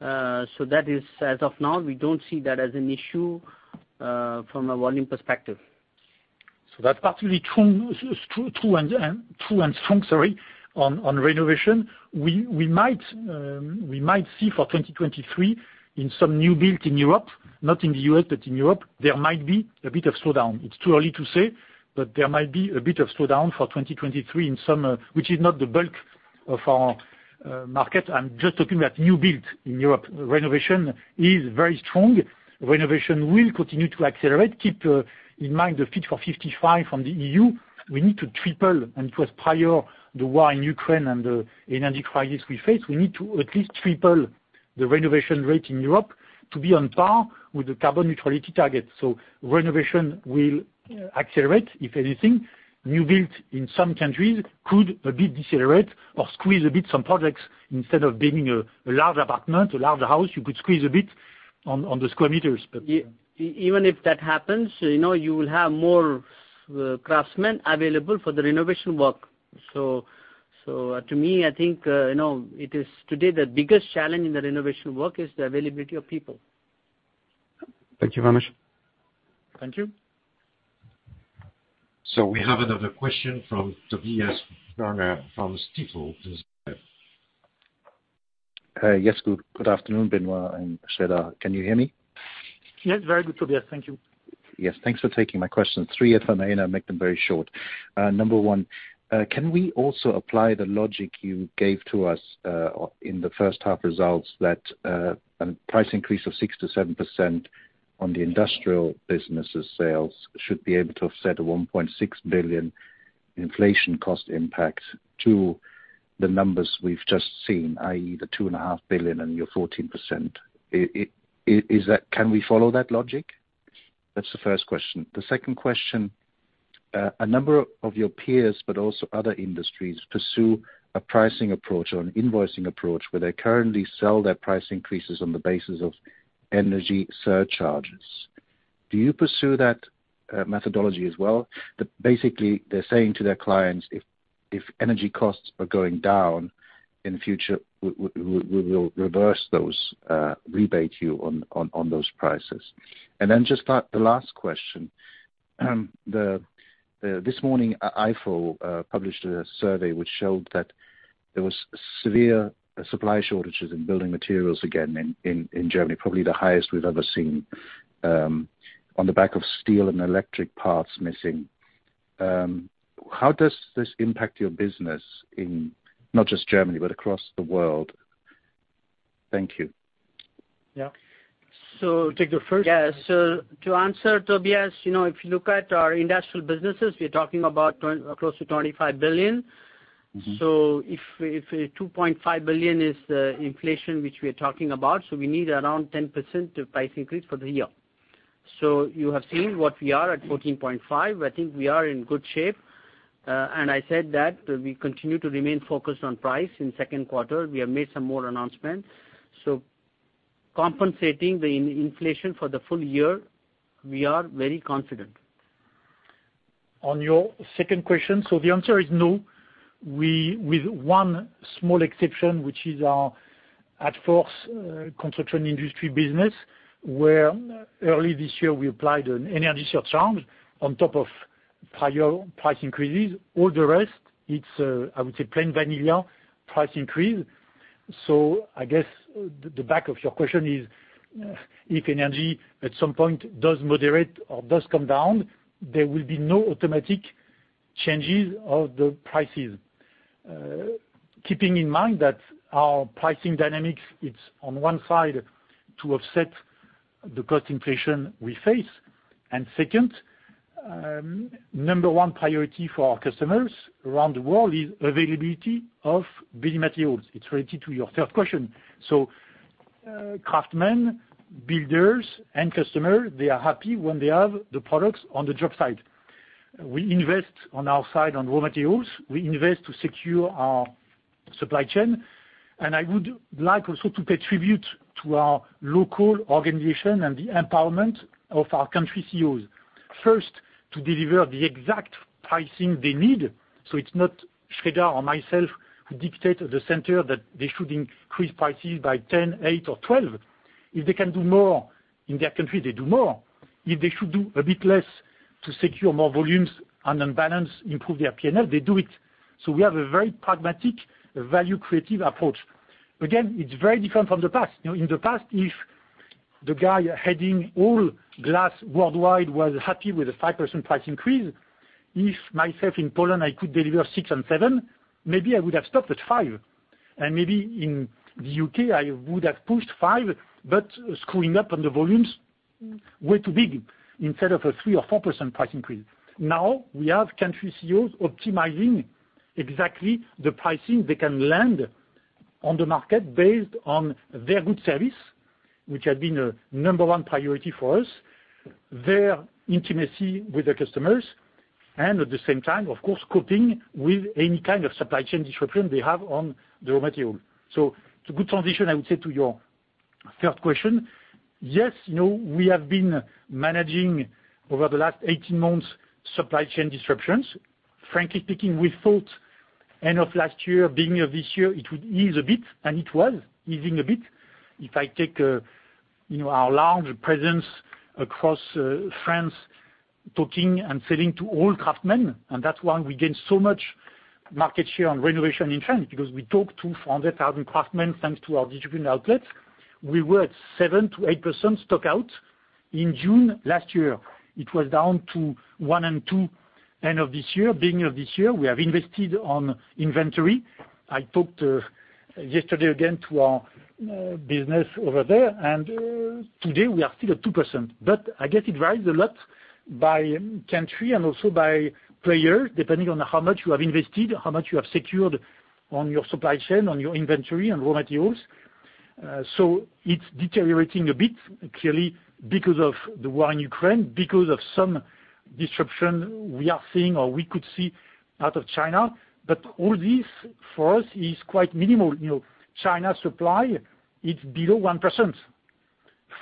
That is as of now, we don't see that as an issue from a volume perspective. That's actually true and strong on renovation. We might see for 2023 in some new build in Europe, not in the U.S., but in Europe, there might be a bit of slowdown. It's too early to say, but there might be a bit of slowdown for 2023 in some, which is not the bulk of our market. I'm just talking about new build in Europe. Renovation is very strong. Renovation will continue to accelerate. Keep in mind the Fit for 55 from the E.U. We need to triple, and it was prior to the war in Ukraine and the energy crisis we face. We need to at least triple the renovation rate in Europe to be on par with the carbon neutrality target. Renovation will accelerate. If anything, new build in some countries could a bit decelerate or squeeze a bit some projects. Instead of building a large apartment, a larger house, you could squeeze a bit on the square meters. But yeah. Even if that happens, you know, you will have more craftsmen available for the renovation work. To me, I think, you know, it is today the biggest challenge in the renovation work is the availability of people. Thank you, everyone. Thank you. We have another question from Tobias Woerner from Stifel. Yes. Good afternoon, Benoît and Sreedhar. Can you hear me? Yes, very good, Tobias. Thank you. Yes, thanks for taking my question. Three if I may, and I'll make them very short. Number one, can we also apply the logic you gave to us, in the first half results that, a price increase of 6%-7% on the industrial businesses sales should be able to offset a 1.6 billion inflation cost impact to the numbers we've just seen, i.e., the 2.5 billion and your 14%? Can we follow that logic? That's the first question. The second question, a number of your peers, but also other industries, pursue a pricing approach or an invoicing approach where they currently sell their price increases on the basis of energy surcharges. Do you pursue that, methodology as well? Basically they're saying to their clients, if energy costs are going down in the future, we will reverse those, rebate to you on those prices. Just the last question. This morning, the ifo published a survey which showed that there was severe supply shortages in building materials again in Germany, probably the highest we've ever seen, on the back of steel and electrical parts missing. How does this impact your business in not just Germany but across the world? Thank you. Yeah. Take the first. Yeah. To answer Tobias, you know, if you look at our industrial businesses, we're talking about close to 25 billion. Mm-hmm. If 2.5 billion is the inflation which we are talking about, we need around 10% price increase for the year. You have seen what we are at 14.5%. I think we are in good shape. I said that we continue to remain focused on price in second quarter. We have made some more announcements. Compensating the inflation for the full year, we are very confident. On your second question, the answer is no. With one small exception, which is our admixtures construction industry business, where early this year we applied an energy surcharge on top of higher price increases. All the rest, it's, I would say, plain vanilla price increase. I guess the back of your question is, if energy at some point does moderate or does come down, there will be no automatic changes of the prices. Keeping in mind that our pricing dynamics, it's on one side to offset the cost inflation we face. Second, number one priority for our customers around the world is availability of building materials. It's related to your third question. Craftsmen, builders and customers, they are happy when they have the products on the job site. We invest on our side on raw materials. We invest to secure our supply chain. I would like also to pay tribute to our local organization and the empowerment of our country CEOs. First, to deliver the exact pricing they need. It's not Sreedhar or myself who dictate at the center that they should increase prices by 10%, 8% or 12%. If they can do more in their country, they do more. If they should do a bit less to secure more volumes and then balance, improve their P&L, they do it. We have a very pragmatic, value-creative approach. Again, it's very different from the past. You know, in the past, if the guy heading all glass worldwide was happy with a 5% price increase, if myself in Poland, I could deliver 6% and 7%, maybe I would have stopped at 5%. Maybe in the U.K., I would have pushed 5%, but screwing up on the volumes way too big instead of a 3%-4% price increase. Now we have country CEOs optimizing exactly the pricing they can land on the market based on their good service, which had been a number one priority for us, their intimacy with their customers, and at the same time, of course, coping with any kind of supply chain disruption they have on the raw material. It's a good transition, I would say to your third question. Yes, you know, we have been managing over the last 18 months supply chain disruptions. Frankly speaking, we thought end of last year, beginning of this year, it would ease a bit, and it was easing a bit. If I take, you know, our large presence across France, talking and selling to all craftsmen, and that's why we gained so much market share on renovation in France, because we talk to 400,000 craftsmen thanks to our distribution outlets. We were at 7%-8% stock out. In June last year, it was down to 1% and 2%. End of this year, beginning of this year, we have invested on inventory. I talked yesterday again to our business over there, and today we are still at 2%. I guess it varies a lot by country and also by player, depending on how much you have invested, how much you have secured on your supply chain, on your inventory and raw materials. It's deteriorating a bit, clearly because of the war in Ukraine, because of some disruption we are seeing or we could see out of China. All this for us is quite minimal. You know, China supply is below 1%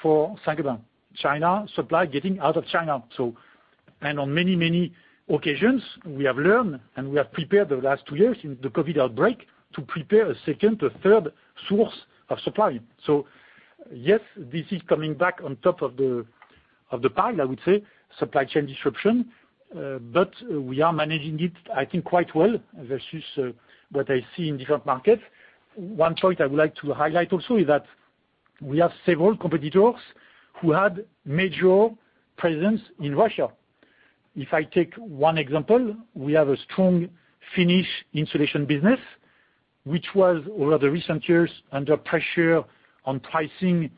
for Saint-Gobain. China supply getting out of China. On many, many occasions, we have learned and we have prepared the last two years in the COVID outbreak to prepare a second or third source of supply. Yes, this is coming back on top of the, of the pile, I would say, supply chain disruption, but we are managing it, I think quite well versus what I see in different markets. One choice I would like to highlight also is that we have several competitors who had major presence in Russia. If I take one example, we have a strong Finnish insulation business, which was over the recent years under pressure on pricing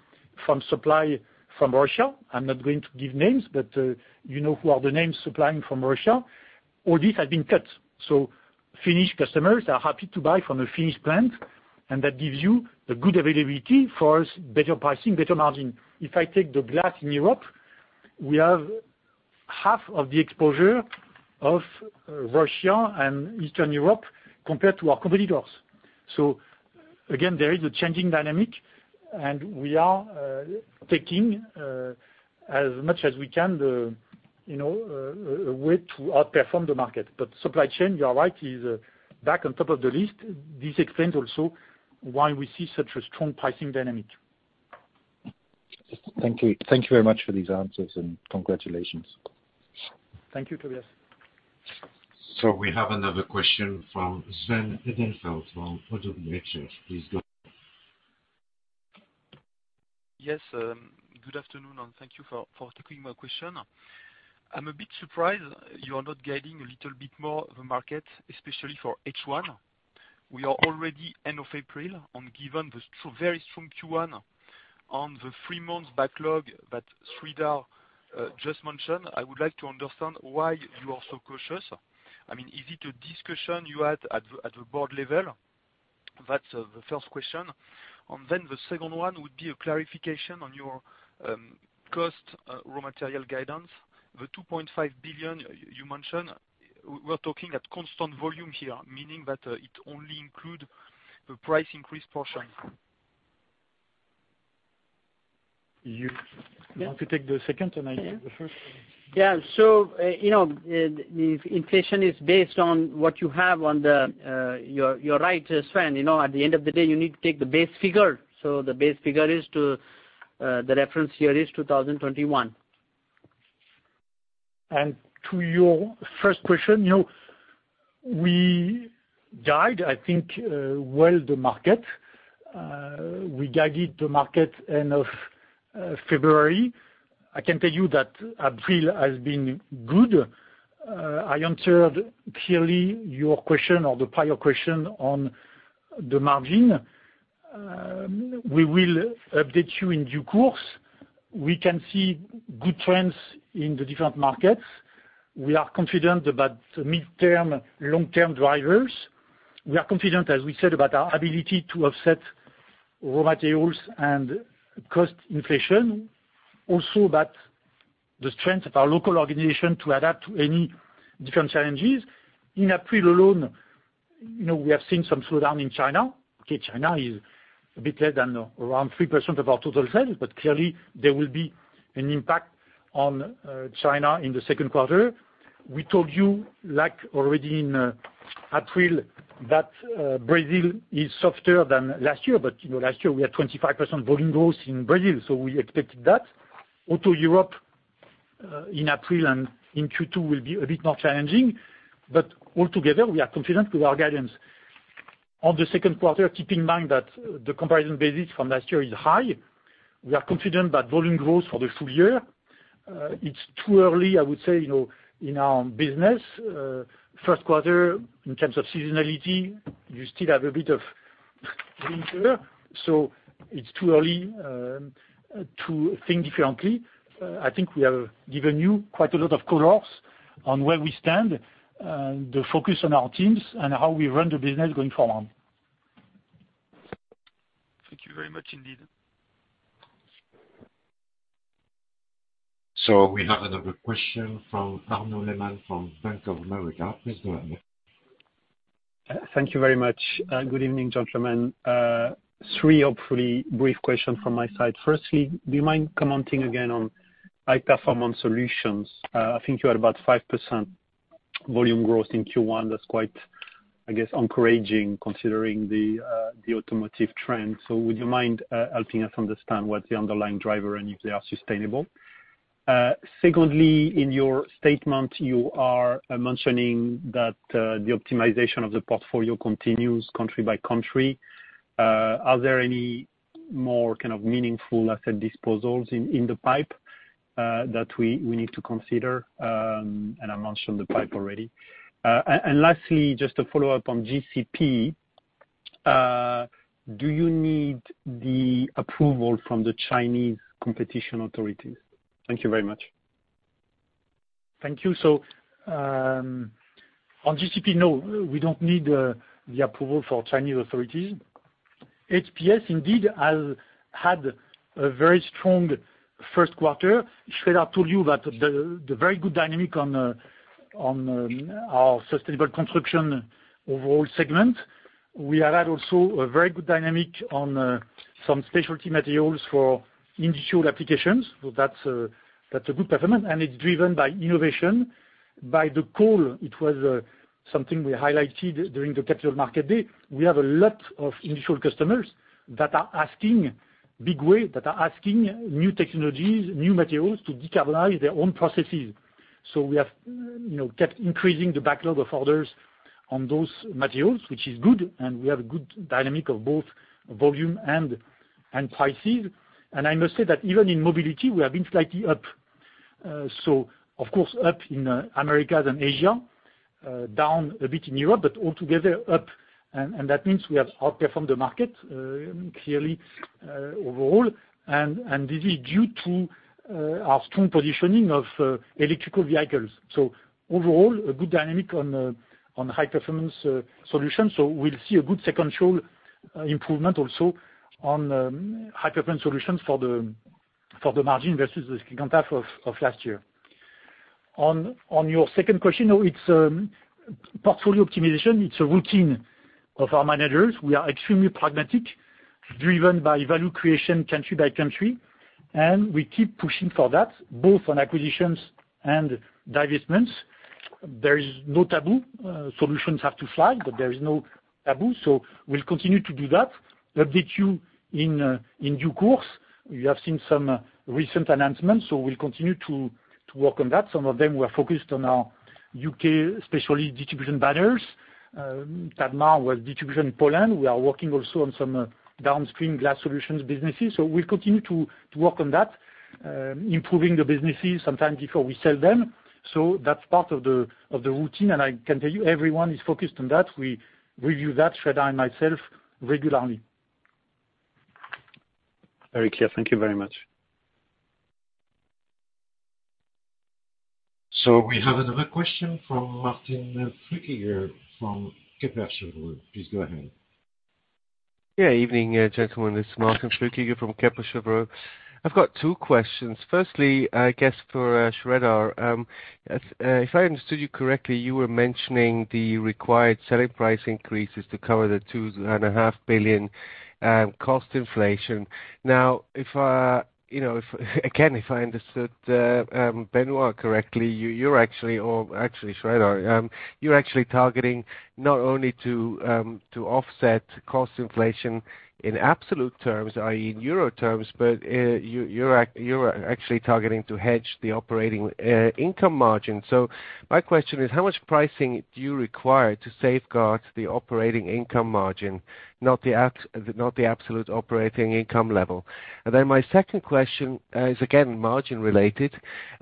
from supply from Russia. I'm not going to give names, but you know who are the names supplying from Russia. All this has been cut. Finnish customers are happy to buy from a Finnish plant, and that gives you a good availability. For us, better pricing, better margin. If I take the glass in Europe, we have half of the exposure of Russia and Eastern Europe compared to our competitors. Again, there is a changing dynamic and we are taking as much as we can, the you know a way to outperform the market. Supply chain, you are right, is back on top of the list. This explains also why we see such a strong pricing dynamic. Thank you. Thank you very much for these answers and congratulations. Thank you, Tobias. We have another question from Sven Edelfelt from ODDO BHF. Please go ahead. Good afternoon, and thank you for taking my question. I'm a bit surprised you are not guiding a little bit more the market, especially for H1. We are already end of April, and given the very strong Q1 on the three months backlog that Sreedhar just mentioned, I would like to understand why you are so cautious. I mean, is it a discussion you had at the board level? That's the first question. Then the second one would be a clarification on your cost raw material guidance. The 2.5 billion you mentioned, we're talking at constant volume here, meaning that it only include the price increase portion. You want to take the second and I take the first? Yeah. You know, the inflation is based on what you have. You're right, Sven. You know, at the end of the day, you need to take the base figure. The base figure is the reference here is 2021. To your first question, you know, we guide, I think, well the market. We guided the market end of February. I can tell you that April has been good. I answered clearly your question or the prior question on the margin. We will update you in due course. We can see good trends in the different markets. We are confident about the midterm, long-term drivers. We are confident, as we said, about our ability to offset raw materials and cost inflation. Also, about the strength of our local organization to adapt to any different challenges. In April alone, you know, we have seen some slowdown in China. Okay, China is a bit less than around 3% of our total sales, but clearly there will be an impact on China in the second quarter. We told you, like, already in April that Brazil is softer than last year, but, you know, last year we had 25% volume growth in Brazil, so we expected that. Auto Europe in April and in Q2 will be a bit more challenging. But altogether, we are confident with our guidance. On the second quarter, keep in mind that the comparison basis from last year is high. We are confident about volume growth for the full year. It's too early, I would say, you know, in our business, first quarter in terms of seasonality, you still have a bit of winter. So it's too early to think differently. I think we have given you quite a lot of colors on where we stand, the focus on our teams and how we run the business going forward. Thank you very much indeed. We have another question from Arnaud Lehmann from Bank of America. Please go ahead. Thank you very much. Good evening, gentlemen. Three hopefully brief questions from my side. Firstly, do you mind commenting again on High Performance Solutions? I think you had about 5% volume growth in Q1. That's quite, I guess, encouraging considering the automotive trend. Would you mind helping us understand what's the underlying driver and if they are sustainable? Secondly, in your statement, you are mentioning that the optimization of the portfolio continues country by country. Are there any more kind of meaningful asset disposals in the pipe that we need to consider? I mentioned the pipe already. Lastly, just a follow-up on GCP. Do you need the approval from the Chinese competition authorities? Thank you very much. Thank you. On GCP, no, we don't need the approval for Chinese authorities. HPS indeed has had a very strong first quarter. Sreedhar told you that the very good dynamic on our sustainable construction overall segment. We have had also a very good dynamic on some specialty materials for industrial applications. That's a good performance, and it's driven by innovation. By the way, it was something we highlighted during the capital market day. We have a lot of industrial customers that are asking in a big way new technologies, new materials to decarbonize their own processes. We have kept increasing the backlog of orders on those materials, which is good, and we have a good dynamic of both volume and prices. I must say that even in mobility, we have been slightly up. Of course, up in Americas and Asia, down a bit in Europe, but altogether up. That means we have outperformed the market, clearly, overall. This is due to our strong positioning of electric vehicles. Overall, a good dynamic on High Performance Solutions. We'll see a good second quarter improvement also on High Performance Solutions for the margin versus the second half of last year. On your second question, you know, it's portfolio optimization. It's a routine of our managers. We are extremely pragmatic, driven by value creation country by country, and we keep pushing for that, both on acquisitions and divestments. There is no taboo. Solutions have to fly, but there is no taboo. We'll continue to do that. We'll update you in due course. You have seen some recent announcements, we'll continue to work on that. Some of them were focused on our U.K., especially distribution banners. Tadmar was distribution in Poland. We are working also on some downstream glass solutions businesses. We'll continue to work on that, improving the businesses sometimes before we sell them. That's part of the routine, and I can tell you everyone is focused on that. We review that, Sreedhar and myself regularly. Very clear. Thank you very much. We have another question from Martin Flueckiger from Kepler Cheuvreux. Please go ahead. Yeah. Evening, gentlemen. It's Martin Flueckiger from Kepler Cheuvreux. I've got two questions. Firstly, I guess for Sreedhar. If I understood you correctly, you were mentioning the required selling price increases to cover the 2.5 billion cost inflation. Now, you know, if again, if I understood Benoît correctly, actually Sreedhar, you're actually targeting not only to offset cost inflation in absolute terms, i.e. in euro terms, but you're actually targeting to hedge the operating income margin. So my question is, how much pricing do you require to safeguard the operating income margin, not the absolute operating income level? And then my second question is again margin related.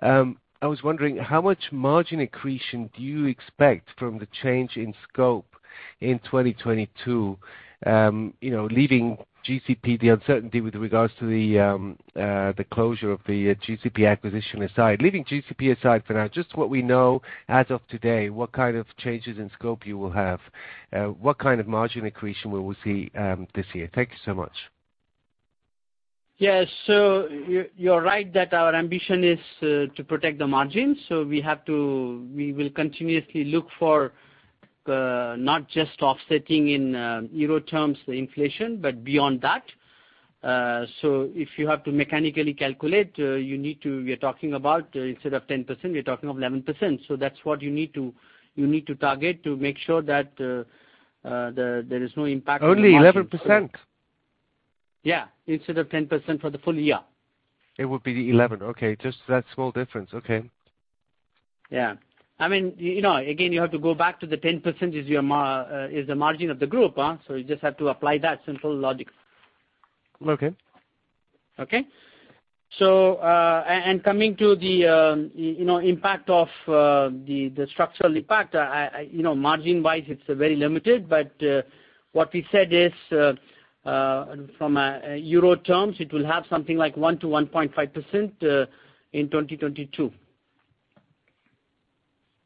I was wondering how much margin accretion do you expect from the change in scope in 2022? You know, leaving GCP, the uncertainty with regards to the closure of the GCP acquisition aside. Leaving GCP aside for now, just what we know as of today, what kind of changes in scope you will have? What kind of margin accretion will we see, this year? Thank you so much. Yes. You're right that our ambition is to protect the margins. We will continuously look for not just offsetting in euro terms the inflation, but beyond that. If you have to mechanically calculate, we are talking about instead of 10%, we're talking of 11%. That's what you need to target to make sure that there is no impact on the margin. Only 11%? Yeah, instead of 10% for the full year. It would be 11%. Okay. Just that small difference. Okay. Yeah. I mean, you know, again, you have to go back to the 10% is your margin of the group, so you just have to apply that simple logic. Okay. Okay? Coming to the, you know, impact of the structural impact, I, you know, margin-wise, it's very limited, but what we said is from an euro terms, it will have something like 1%-1.5% in 2022.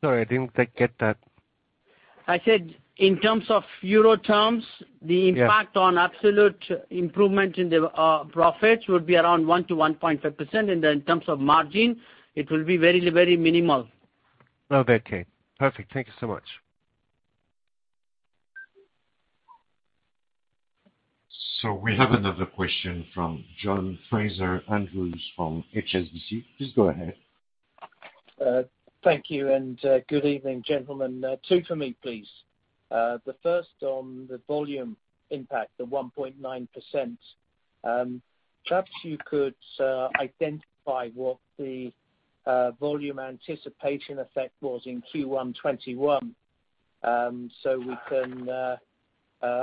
Sorry, I didn't quite get that. I said in terms of euro terms. Yeah The impact on absolute improvement in the profits would be around 1%-1.5%. In terms of margin, it will be very, very minimal. Oh, okay. Perfect. Thank you so much. We have another question from John Fraser-Andrews from HSBC. Please go ahead. Thank you, and good evening, gentlemen. Two for me, please. The first on the volume impact, the 1.9%. Perhaps you could identify what the volume anticipation effect was in Q1 2021, so we can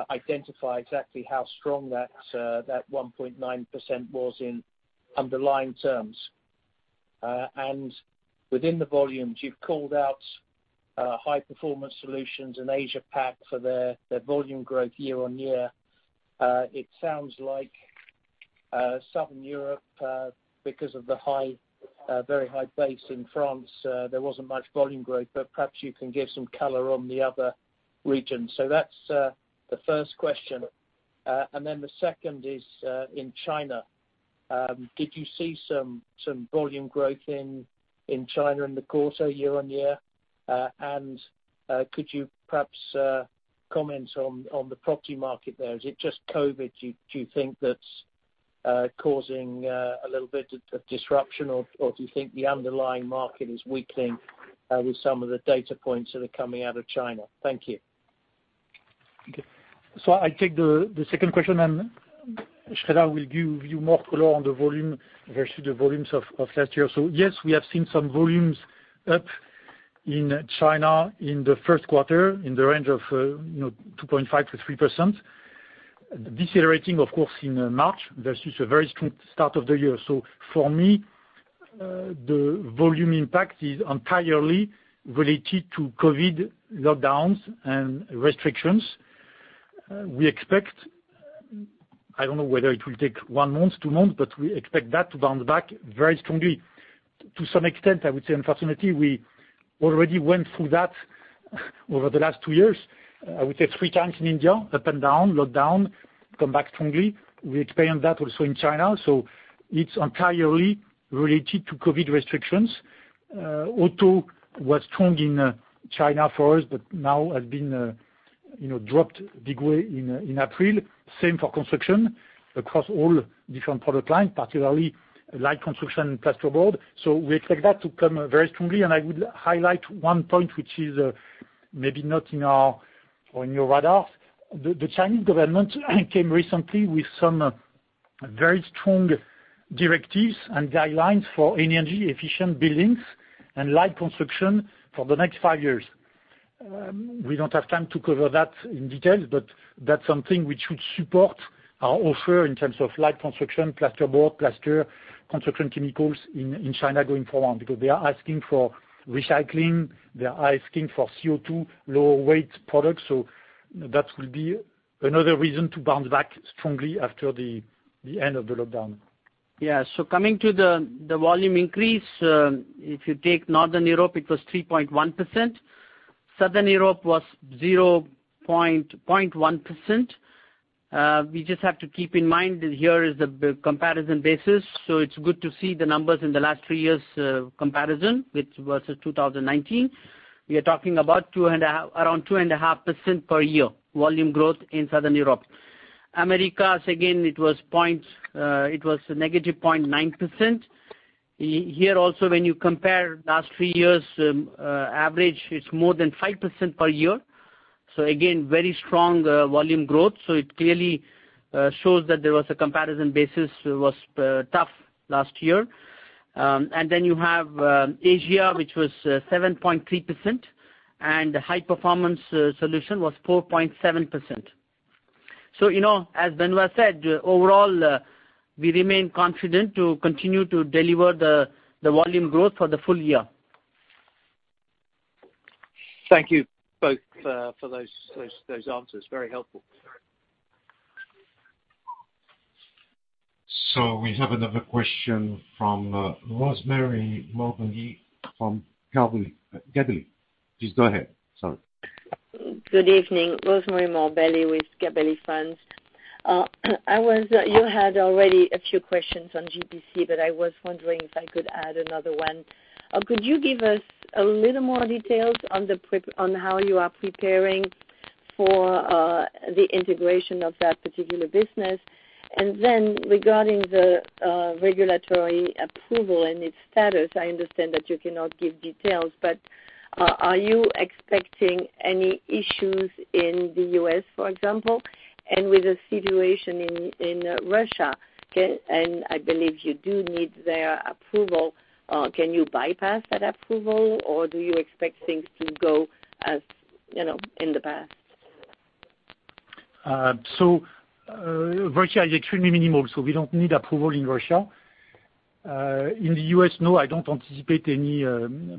identify exactly how strong that 1.9% was in underlying terms. Within the volumes, you've called out High Performance Solutions in Asia Pac for their volume growth year-on-year. It sounds like Southern Europe, because of the very high base in France, there wasn't much volume growth, but perhaps you can give some color on the other regions. That's the first question. The second is in China. Did you see some volume growth in China in the quarter year-over-year? Could you perhaps comment on the property market there? Is it just COVID, do you think that's causing a little bit of disruption or do you think the underlying market is weakening with some of the data points that are coming out of China? Thank you. Okay. I take the second question and Sreedhar will give you more color on the volume versus the volumes of last year. Yes, we have seen some volumes up in China in the first quarter in the range of 2.5%-3%. Decelerating, of course, in March versus a very strong start of the year. For me, the volume impact is entirely related to COVID lockdowns and restrictions. We expect, I don't know whether it will take one month, two months, but we expect that to bounce back very strongly. To some extent, I would say unfortunately, we already went through that over the last two years, I would say three times in India, up and down, lockdown, come back strongly. We experienced that also in China, so it's entirely related to COVID restrictions. Auto was strong in China for us, but now has been, you know, dropped big way in April. Same for construction across all different product lines, particularly light construction plasterboard. We expect that to come very strongly. I would highlight one point, which is, maybe not in our or in your radar. The Chinese government came recently with some very strong directives and guidelines for energy efficient buildings and light construction for the next five years. We don't have time to cover that in details, but that's something which should support our offer in terms of light construction, plasterboard, plaster, construction chemicals in China going forward, because they are asking for recycling, they are asking for CO2 lower weight products. That will be another reason to bounce back strongly after the end of the lockdown. Yeah. Coming to the volume increase, if you take Northern Europe, it was 3.1%. Southern Europe was 0.1%. We just have to keep in mind that here is the tough comparison basis, so it's good to see the numbers in the last three years comparison, which was of 2019. We are talking about around 2.5% per year volume growth in Southern Europe. Americas, again, it was a -0.9%. Here also, when you compare last three years' average, it's more than 5% per year. Again, very strong volume growth. It clearly shows that there was a comparison basis that was tough last year. You have Asia, which was 7.3%, and High Performance Solutions was 4.7%. You know, as Benoît said, overall, we remain confident to continue to deliver the volume growth for the full year. Thank you both for those answers. Very helpful. We have another question from Rosemarie Morbelli from Gabelli. Please go ahead. Sorry. Good evening. Rosemarie Morbelli with Gabelli Funds. You had already a few questions on GCP, but I was wondering if I could add another one. Could you give us a little more details on the prep on how you are preparing for the integration of that particular business? And then regarding the regulatory approval and its status, I understand that you cannot give details, but are you expecting any issues in the U.S., for example? And with the situation in Russia, and I believe you do need their approval, can you bypass that approval, or do you expect things to go as you know in the past? Russia is extremely minimal, so we don't need approval in Russia. In the U.S., no, I don't anticipate any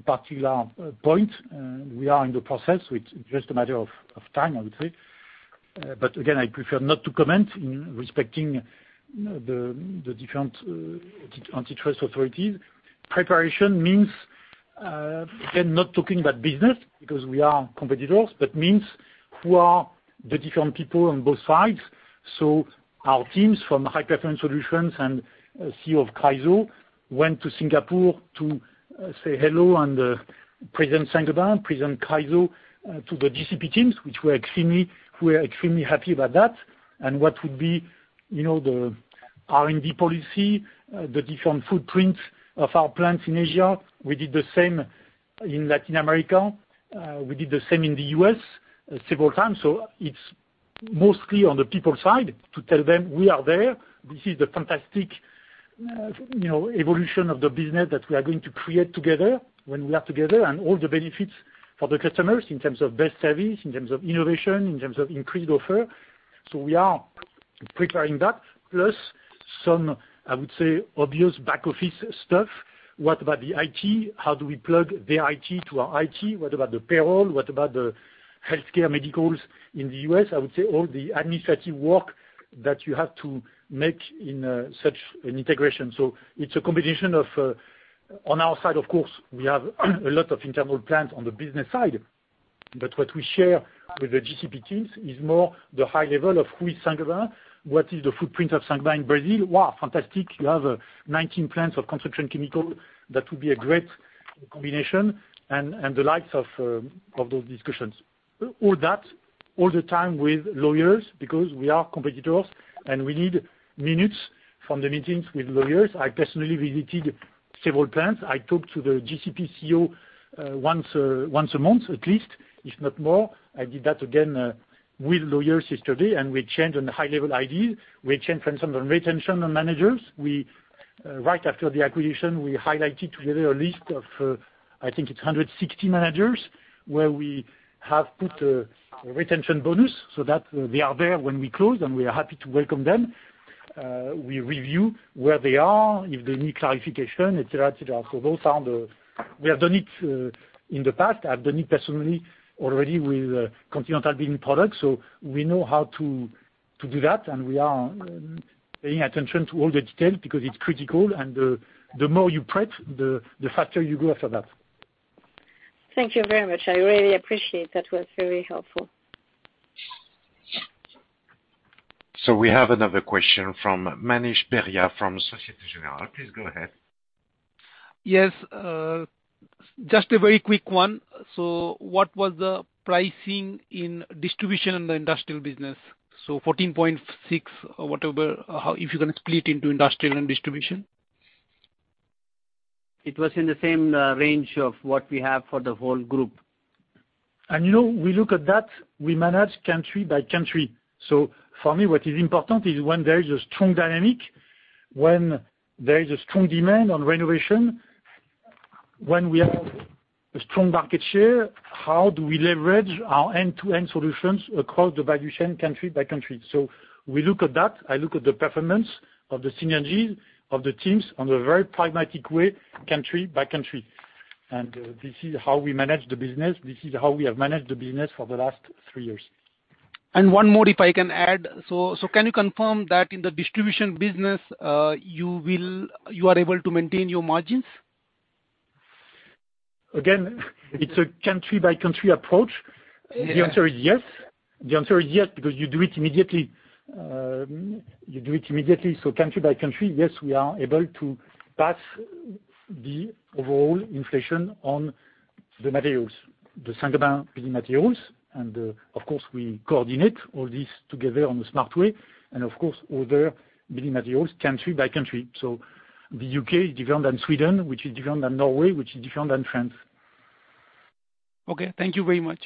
particular point. We are in the process, so it's just a matter of time, I would say. But again, I prefer not to comment, respecting, you know, the different antitrust authorities. Preparation means, again, not talking about business because we are competitors, but means who are the different people on both sides. Our teams from High Performance Solutions and CEO of CHRYSO went to Singapore to say hello and present Saint-Gobain, present CHRYSO to the GCP teams, which we were extremely happy about that. What would be, you know, the R&D policy, the different footprints of our plants in Asia. We did the same in Latin America. We did the same in the U.S. several times. It's mostly on the people side to tell them we are there. This is the fantastic, you know, evolution of the business that we are going to create together when we are together and all the benefits for the customers in terms of best service, in terms of innovation, in terms of increased offer. We are preparing that, plus some, I would say, obvious back office stuff. What about the IT? How do we plug their IT to our IT? What about the payroll? What about the healthcare medicals in the U.S.? I would say all the administrative work that you have to make in such an integration. It's a combination of. On our side, of course, we have a lot of internal plans on the business side, but what we share with the GCP teams is more the high level of who is Saint-Gobain, what is the footprint of Saint-Gobain Brazil. Wow, fantastic. You have 19 plants of construction chemicals. That would be a great combination and the likes of those discussions. All that, all the time with lawyers because we are competitors and we need minutes of the meetings with lawyers. I personally visited several plants. I talked to the GCP CEO once a month at least, if not more. I did that again with lawyers yesterday, and we exchanged on the high level ideas. We exchanged, for instance, on retention of managers. Right after the acquisition, we highlighted together a list of, I think it's 160 managers, where we have put a retention bonus so that they are there when we close, and we are happy to welcome them. We review where they are, if they need clarification, etc., etc. Those are the ones we have done it in the past. I've done it personally already with Continental Building Products. We know how to do that, and we are paying attention to all the details because it's critical and, the more you prep, the faster you go after that. Thank you very much. I really appreciate. That was very helpful. We have another question from Manish Beria from Société Générale. Please go ahead. Yes, just a very quick one. What was the pricing in distribution in the industrial business? 14.6% or whatever, if you can split into industrial and distribution. It was in the same range of what we have for the whole group. You know, we look at that, we manage country by country. For me, what is important is when there is a strong dynamic. When there is a strong demand on renovation, when we have a strong market share, how do we leverage our end-to-end solutions across the value chain country by country? We look at that. I look at the performance of the synergies of the teams on a very pragmatic way, country by country. This is how we manage the business. This is how we have managed the business for the last three years. One more, if I can add. Can you confirm that in the distribution business, you are able to maintain your margins? Again, it's a country by country approach. Yeah. The answer is yes, because you do it immediately. So country by country, yes, we are able to pass the overall inflation on the materials, the Saint-Gobain building materials. Of course, we coordinate all this together in a smart way, and of course, other building materials country by country. The U.K. is different than Sweden, which is different than Norway, which is different than France. Okay, thank you very much.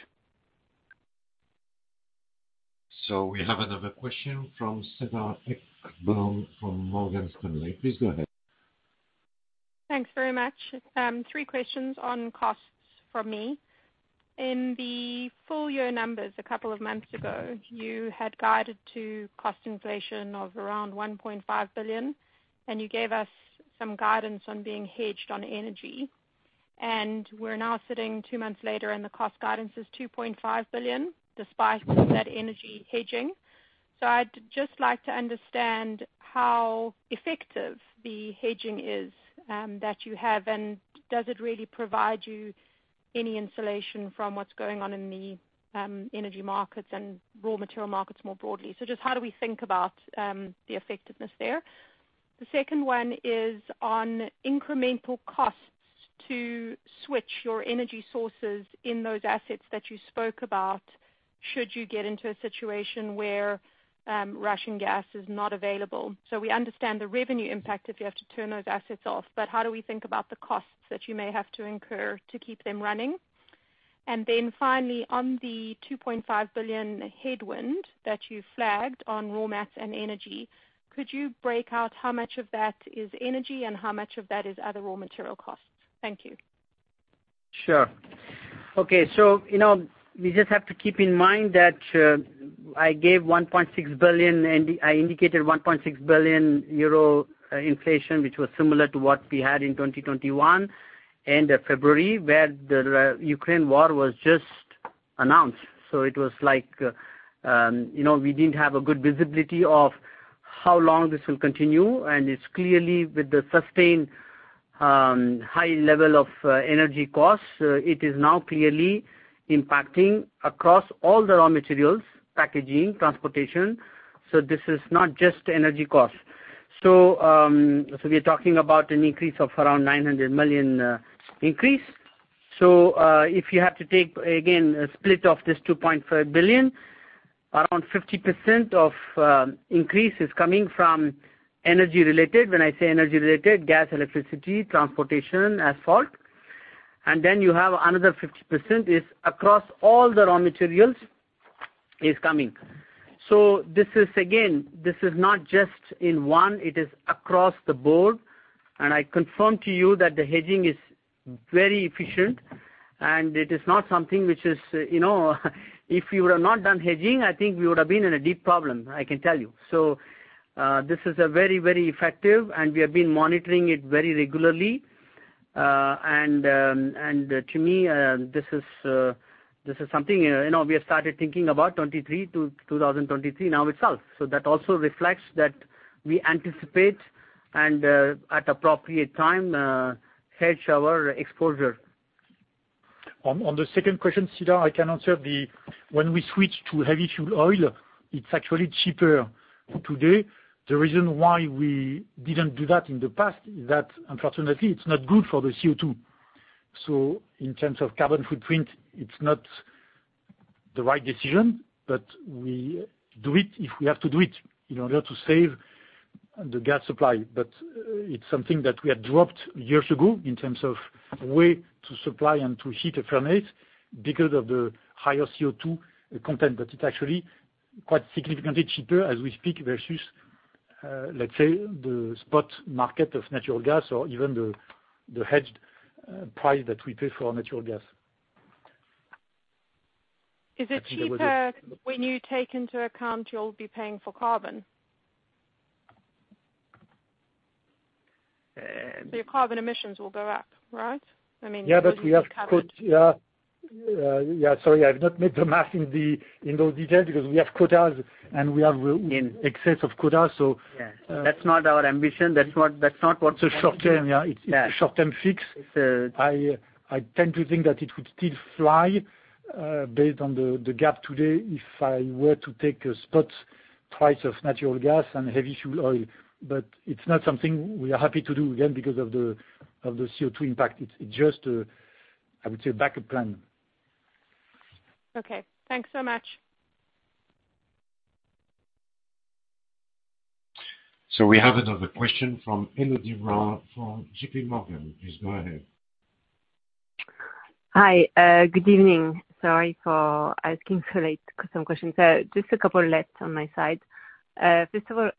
We have another question from Cedar Ekblom from Morgan Stanley. Please go ahead. Thanks very much. Three questions on costs from me. In the full year numbers a couple of months ago, you had guided to cost inflation of around 1.5 billion, and you gave us some guidance on being hedged on energy. We're now sitting two months later, and the cost guidance is 2.5 billion despite that energy hedging. I'd just like to understand how effective the hedging is, that you have, and does it really provide you any insulation from what's going on in the energy markets and raw material markets more broadly? Just how do we think about the effectiveness there? The second one is on incremental costs to switch your energy sources in those assets that you spoke about should you get into a situation where Russian gas is not available. We understand the revenue impact if you have to turn those assets off, but how do we think about the costs that you may have to incur to keep them running? Finally, on the 2.5 billion headwind that you flagged on raw mats and energy, could you break out how much of that is energy and how much of that is other raw material costs? Thank you. Sure. Okay. You know, we just have to keep in mind that I gave 1.6 billion and I indicated 1.6 billion euro inflation, which was similar to what we had in 2021, end of February, where the Ukraine war was just announced. It was like, you know, we didn't have a good visibility of how long this will continue, and it's clearly, with the sustained high level of energy costs, now clearly impacting across all the raw materials, packaging, transportation. This is not just energy costs. We're talking about an increase of around 900 million increase. If you have to take, again, a split of this 2.5 billion, around 50% of increase is coming from energy related. When I say energy related, gas, electricity, transportation, asphalt. Then you have another 50% across all the raw materials coming. This is, again, not just in one, it is across the board. I confirm to you that the hedging is very efficient, and it is not something which is, you know if you would have not done hedging, I think we would have been in a deep problem, I can tell you. This is a very, very effective and we have been monitoring it very regularly. To me, this is something, you know, we have started thinking about 2023-2023 now itself. That also reflects that we anticipate and, at appropriate time, hedge our exposure. Onto the second question, Cedar, I can answer. When we switch to heavy fuel oil, it's actually cheaper today. The reason why we didn't do that in the past is that unfortunately, it's not good for the CO2. So in terms of carbon footprint, it's not the right decision, but we do it if we have to do it in order to save the gas supply. But it's something that we had dropped years ago in terms of way to supply and to heat a furnace because of the higher CO2 content. But it's actually quite significantly cheaper as we speak versus, let's say, the spot market of natural gas or even the hedged price that we pay for our natural gas. Is it cheaper when you take into account you'll be paying for carbon? Uh. Your carbon emissions will go up, right? I mean. Yeah, we have quota. Sorry, I've not made the math in those details because we have quotas, and we are in excess of quotas. Yeah. Uh- That's not our ambition. That's not what. It's a short term, yeah. Yeah. It's a short term fix. It's a- I tend to think that it would still fly, based on the gap today if I were to take a spot price of natural gas and heavy fuel oil. It's not something we are happy to do, again, because of the CO2 impact. It's just, I would say backup plan. Okay. Thanks so much. We have another question from Elodie Rall from JPMorgan. Please go ahead. Hi, good evening. Sorry for asking so late, couple questions. Just a couple left on my side. First of all,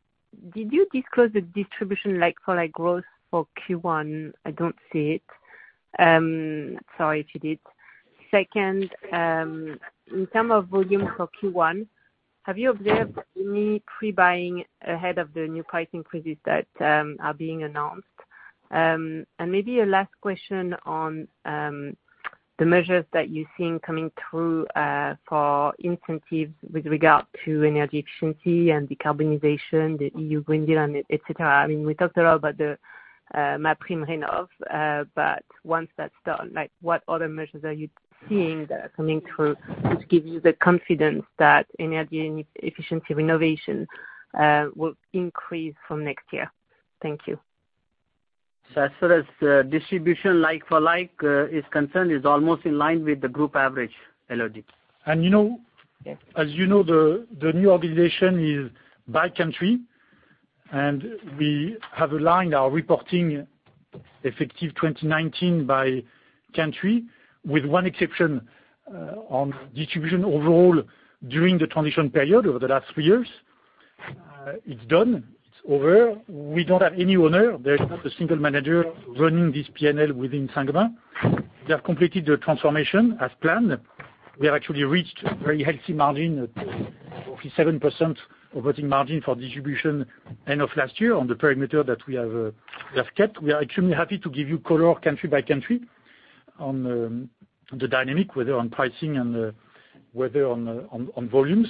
did you disclose the distribution like-for-like growth for Q1? I don't see it. Sorry if you did. Second, in terms of volume for Q1, have you observed any pre-buying ahead of the new price increases that are being announced? Maybe a last question on the measures that you're seeing coming through for incentives with regard to energy efficiency and decarbonization, the European Green Deal on it, et cetera. I mean, we talked a lot about the MaPrimeRenov', but once that's done, like what other measures are you seeing that are coming through which gives you the confidence that energy efficiency renovation will increase from next year? Thank you. As far as the distribution like-for-like is concerned, it's almost in line with the group average, Elodie. You know. Yeah. As you know, the new organization is by country, and we have aligned our reporting effective 2019 by country, with one exception on distribution overall during the transition period over the last three years. It's done. It's over. We don't have any owner. There is not a single manager running this P&L within Saint-Gobain. They have completed their transformation as planned. We have actually reached very healthy margin, 47% operating margin for distribution end of last year on the perimeter that we have, we have kept. We are extremely happy to give you color country by country on the dynamic, whether on pricing and whether on volumes.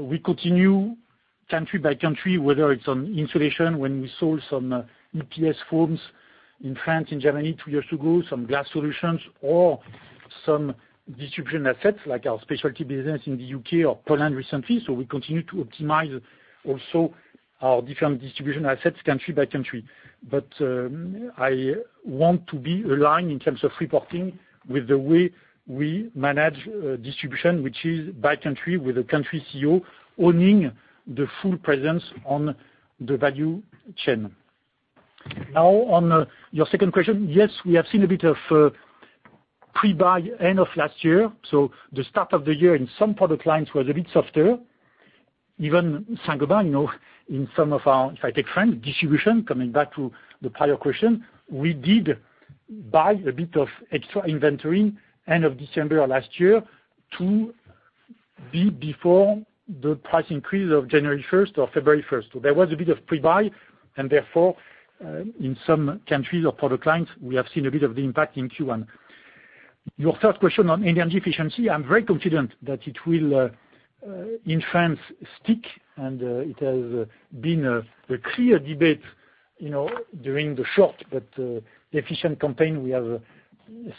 We continue country by country, whether it's on insulation, when we sold some EPS foams in France and Germany two years ago, some glass solutions or some distribution assets like our specialty business in the U.K. or Poland recently. We continue to optimize also our different distribution assets country by country. I want to be aligned in terms of reporting with the way we manage distribution, which is by country with a country CEO owning the full presence on the value chain. Now on your second question, yes, we have seen a bit of pre-buy end of last year. The start of the year in some product lines was a bit softer. Even Saint-Gobain, you know, in some of our, if I take France distribution, coming back to the prior question, we did buy a bit of extra inventory end of December last year to be before the price increase of January 1st or February 1st. There was a bit of pre-buy and therefore, in some countries or product lines, we have seen a bit of the impact in Q1. Your third question on energy efficiency, I'm very confident that it will, in France stick and, it has been a clear debate, you know, during the short but efficient campaign we have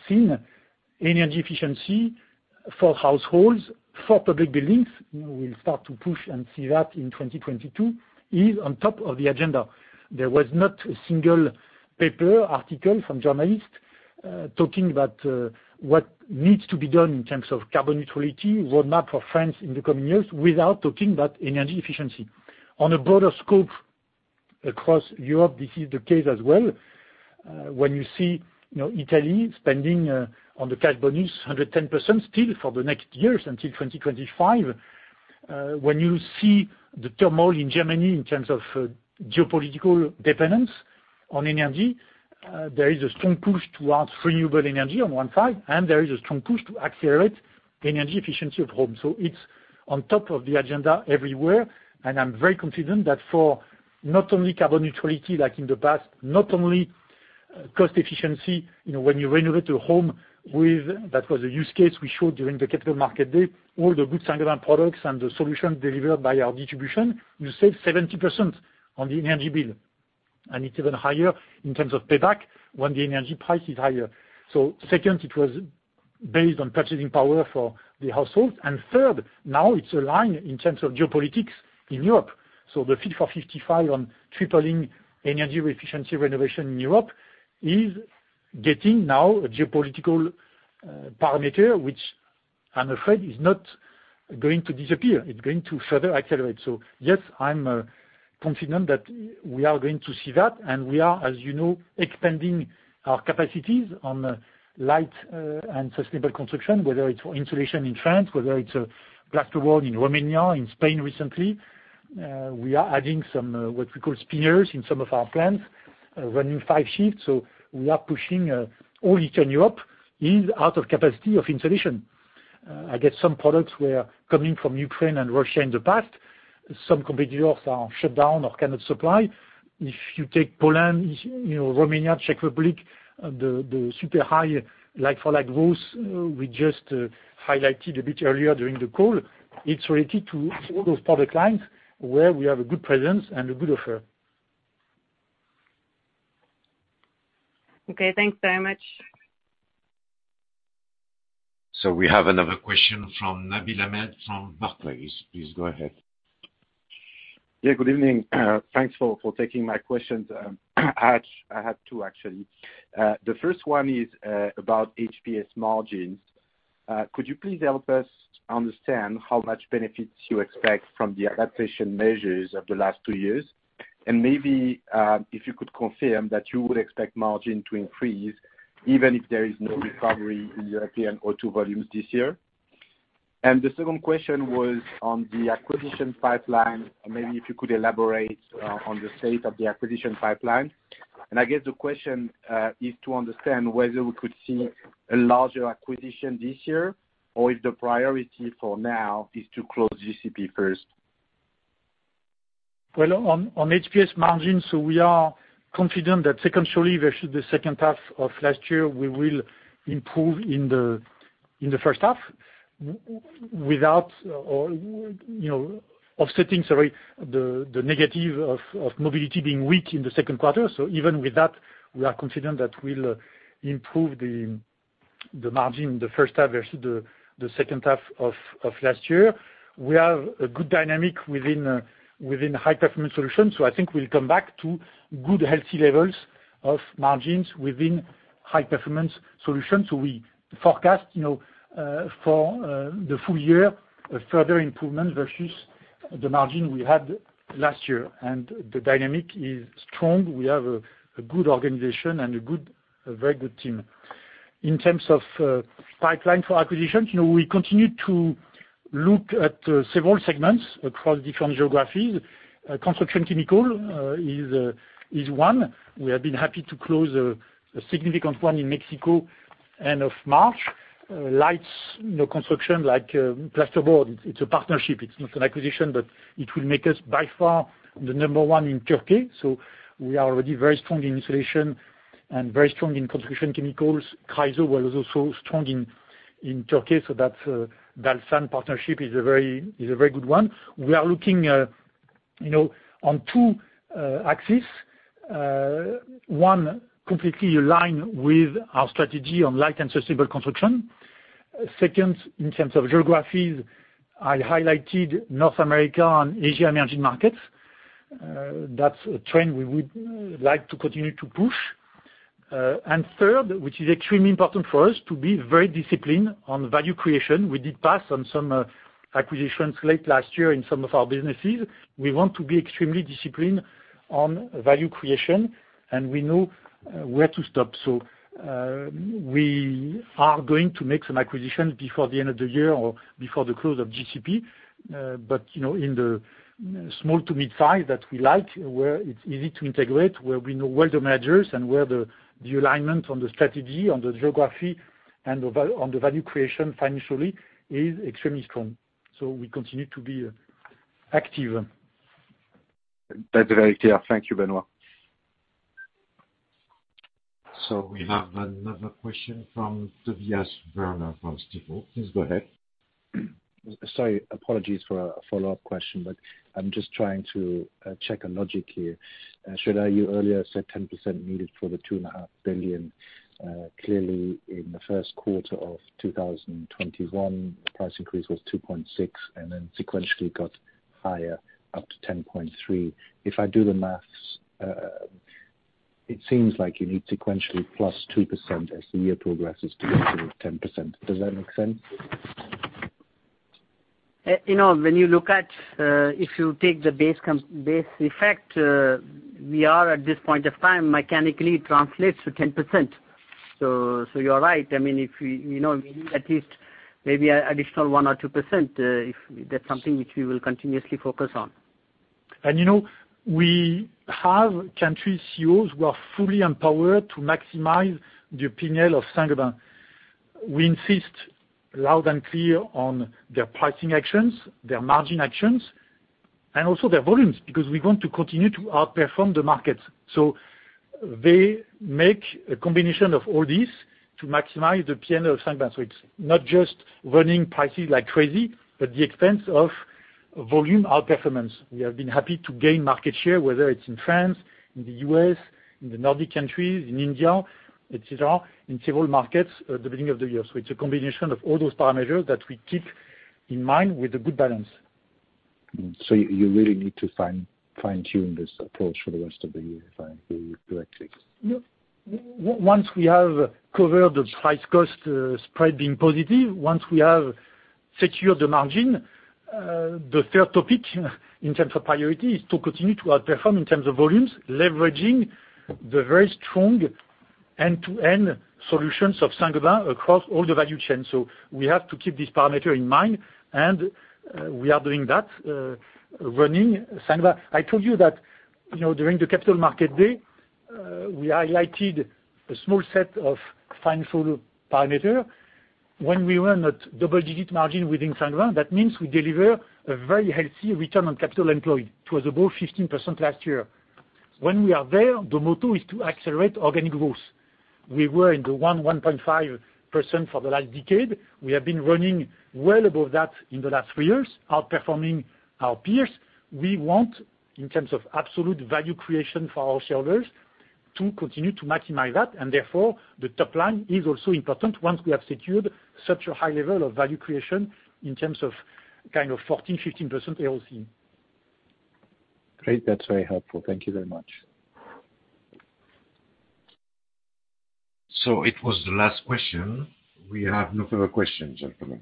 seen. Energy efficiency for households, for public buildings, we'll start to push and see that in 2022, is on top of the agenda. There was not a single paper article from journalists, talking about what needs to be done in terms of carbon neutrality, roadmap for France in the coming years without talking about energy efficiency. On a broader scope across Europe, this is the case as well. When you see, you know, Italy spending on the Superbonus 110% still for the next years until 2025, when you see the turmoil in Germany in terms of geopolitical dependence on energy, there is a strong push towards renewable energy on one side, and there is a strong push to accelerate energy efficiency of homes. It's on top of the agenda everywhere, and I'm very confident that for not only carbon neutrality like in the past, not only cost efficiency, you know, when you renovate a home with, that was a use case we showed during the capital market day, all the good Saint-Gobain products and the solutions delivered by our distribution, you save 70% on the energy bill. It's even higher in terms of payback when the energy price is higher. Second, it was based on purchasing power for the households. Third, now it's aligned in terms of geopolitics in Europe. The Fit for 55 on tripling energy efficiency renovation in Europe is getting now a geopolitical parameter, which I'm afraid is not going to disappear. It's going to further accelerate. Yes, I'm confident that we are going to see that, and we are, as you know, expanding our capacities on light and sustainable construction, whether it's for insulation in France, whether it's plasterboard in Romania, in Spain recently. We are adding some what we call spinners in some of our plants, running five shifts. We are pushing, all Eastern Europe is out of capacity of insulation. We got some products were coming from Ukraine and Russia in the past. Some competitors are shut down or cannot supply. If you take Poland, you know Romania, Czech Republic, the super high like-for-like growth we just highlighted a bit earlier during the call, it's related to all those product lines where we have a good presence and a good offer. Okay, thanks very much. We have another question from Nabil Ahmed from Barclays. Please go ahead. Yeah, good evening. Thanks for taking my questions. I have two, actually. The first one is about HPS margins. Could you please help us understand how much benefits you expect from the adaptation measures of the last two years? Maybe if you could confirm that you would expect margin to increase even if there is no recovery in European OE volumes this year. The second question was on the acquisition pipeline. Maybe if you could elaborate on the state of the acquisition pipeline. I guess the question is to understand whether we could see a larger acquisition this year or if the priority for now is to close GCP first. On HPS margins, we are confident that sequentially versus the second half of last year, we will improve in the first half without, you know, offsetting the negative of mobility being weak in the second quarter. Even with that, we are confident that we'll improve the margin in the first half versus the second half of last year. We have a good dynamic within High Performance Solutions, so I think we'll come back to good, healthy levels of margins within High Performance Solutions. We forecast, you know, for the full year a further improvement versus the margin we had last year. The dynamic is strong. We have a good organization and a very good team. In terms of pipeline for acquisitions, you know, we continue to look at several segments across different geographies. Construction chemicals is one. We have been happy to close a significant one in Mexico end of March. Light construction like plasterboard. It's a partnership. It's not an acquisition, but it will make us by far the number one in Turkey. So we are already very strong in insulation and very strong in construction chemicals. CHRYSO was also strong in Turkey, so that Dalsan partnership is a very good one. We are looking, you know, on two axes. One, completely aligned with our strategy on light and sustainable construction. Second, in terms of geographies, I highlighted North America and Asia emerging markets. That's a trend we would like to continue to push. Third, which is extremely important for us, to be very disciplined on value creation. We did pass on some acquisitions late last year in some of our businesses. We want to be extremely disciplined on value creation, and we know where to stop. We are going to make some acquisitions before the end of the year or before the close of GCP. You know, in the small to mid-size that we like, where it's easy to integrate, where we know the measures and where the alignment on the strategy, on the geography, and on the value creation financially is extremely strong. We continue to be active. That's very clear. Thank you, Benoît. We have another question from Tobias Woerner from Stifel. Please go ahead. Sorry, apologies for a follow-up question, but I'm just trying to check a logic here. Sreedhar, you earlier said 10% needed for the 2.5 billion. Clearly in the first quarter of 2021, the price increase was 2.6%, and then sequentially got higher up to 10.3%. If I do the math, it seems like you need sequentially +2% as the year progresses to get to 10%. Does that make sense? You know, when you look at, if you take the base effect, we are at this point of time mechanically translates to 10%. So you are right. I mean, if we, you know, we need at least maybe a additional 1% or 2%, if that's something which we will continuously focus on. You know, we have country CEOs who are fully empowered to maximize the P&L of Saint-Gobain. We insist loud and clear on their pricing actions, their margin actions, and also their volumes, because we want to continue to outperform the market. They make a combination of all this to maximize the P&L of Saint-Gobain. It's not just running prices like crazy at the expense of volume outperformance. We have been happy to gain market share, whether it's in France, in the U.S., in the Nordic countries, in India, etc., in several markets at the beginning of the year. It's a combination of all those parameters that we keep in mind with a good balance. You really need to fine-tune this approach for the rest of the year if I hear you correctly. Once we have covered the price-cost spread being positive, once we have secured the margin, the third topic in terms of priority is to continue to outperform in terms of volumes, leveraging the very strong end-to-end solutions of Saint-Gobain across all the value chain. We have to keep this parameter in mind, and we are doing that, running Saint-Gobain. I told you that, you know, during the capital market day, we highlighted a small set of financial parameter. When we run at double-digit margin within Saint-Gobain, that means we deliver a very healthy return on capital employed. It was above 15% last year. When we are there, the motto is to accelerate organic growth. We were in the 1%-1.5% for the last decade. We have been running well above that in the last three years, outperforming our peers. We want, in terms of absolute value creation for our shareholders, to continue to maximize that. Therefore, the top line is also important once we have secured such a high level of value creation in terms of kind of 14%-15% ROCE. Great. That's very helpful. Thank you very much. It was the last question. We have no further questions, gentlemen.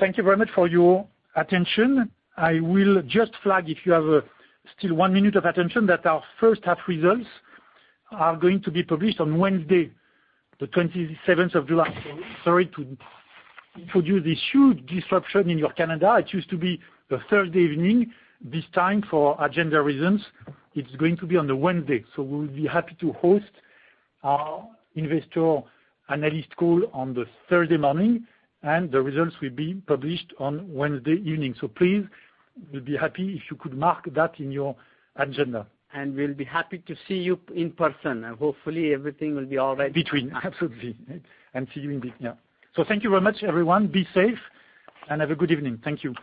Thank you very much for your attention. I will just flag if you have still one minute of attention that our first half results are going to be published on Wednesday, the July 27th. Sorry to introduce this huge disruption in your calendar. It used to be the Thursday evening. This time, for agenda reasons, it's going to be on the Wednesday. We'll be happy to host our investor analyst call on the Thursday morning, and the results will be published on Wednesday evening. Please, we'll be happy if you could mark that in your agenda. We'll be happy to see you in person. Hopefully, everything will be all right. Between, absolutely. See you yeah. Thank you very much, everyone. Be safe and have a good evening. Thank you.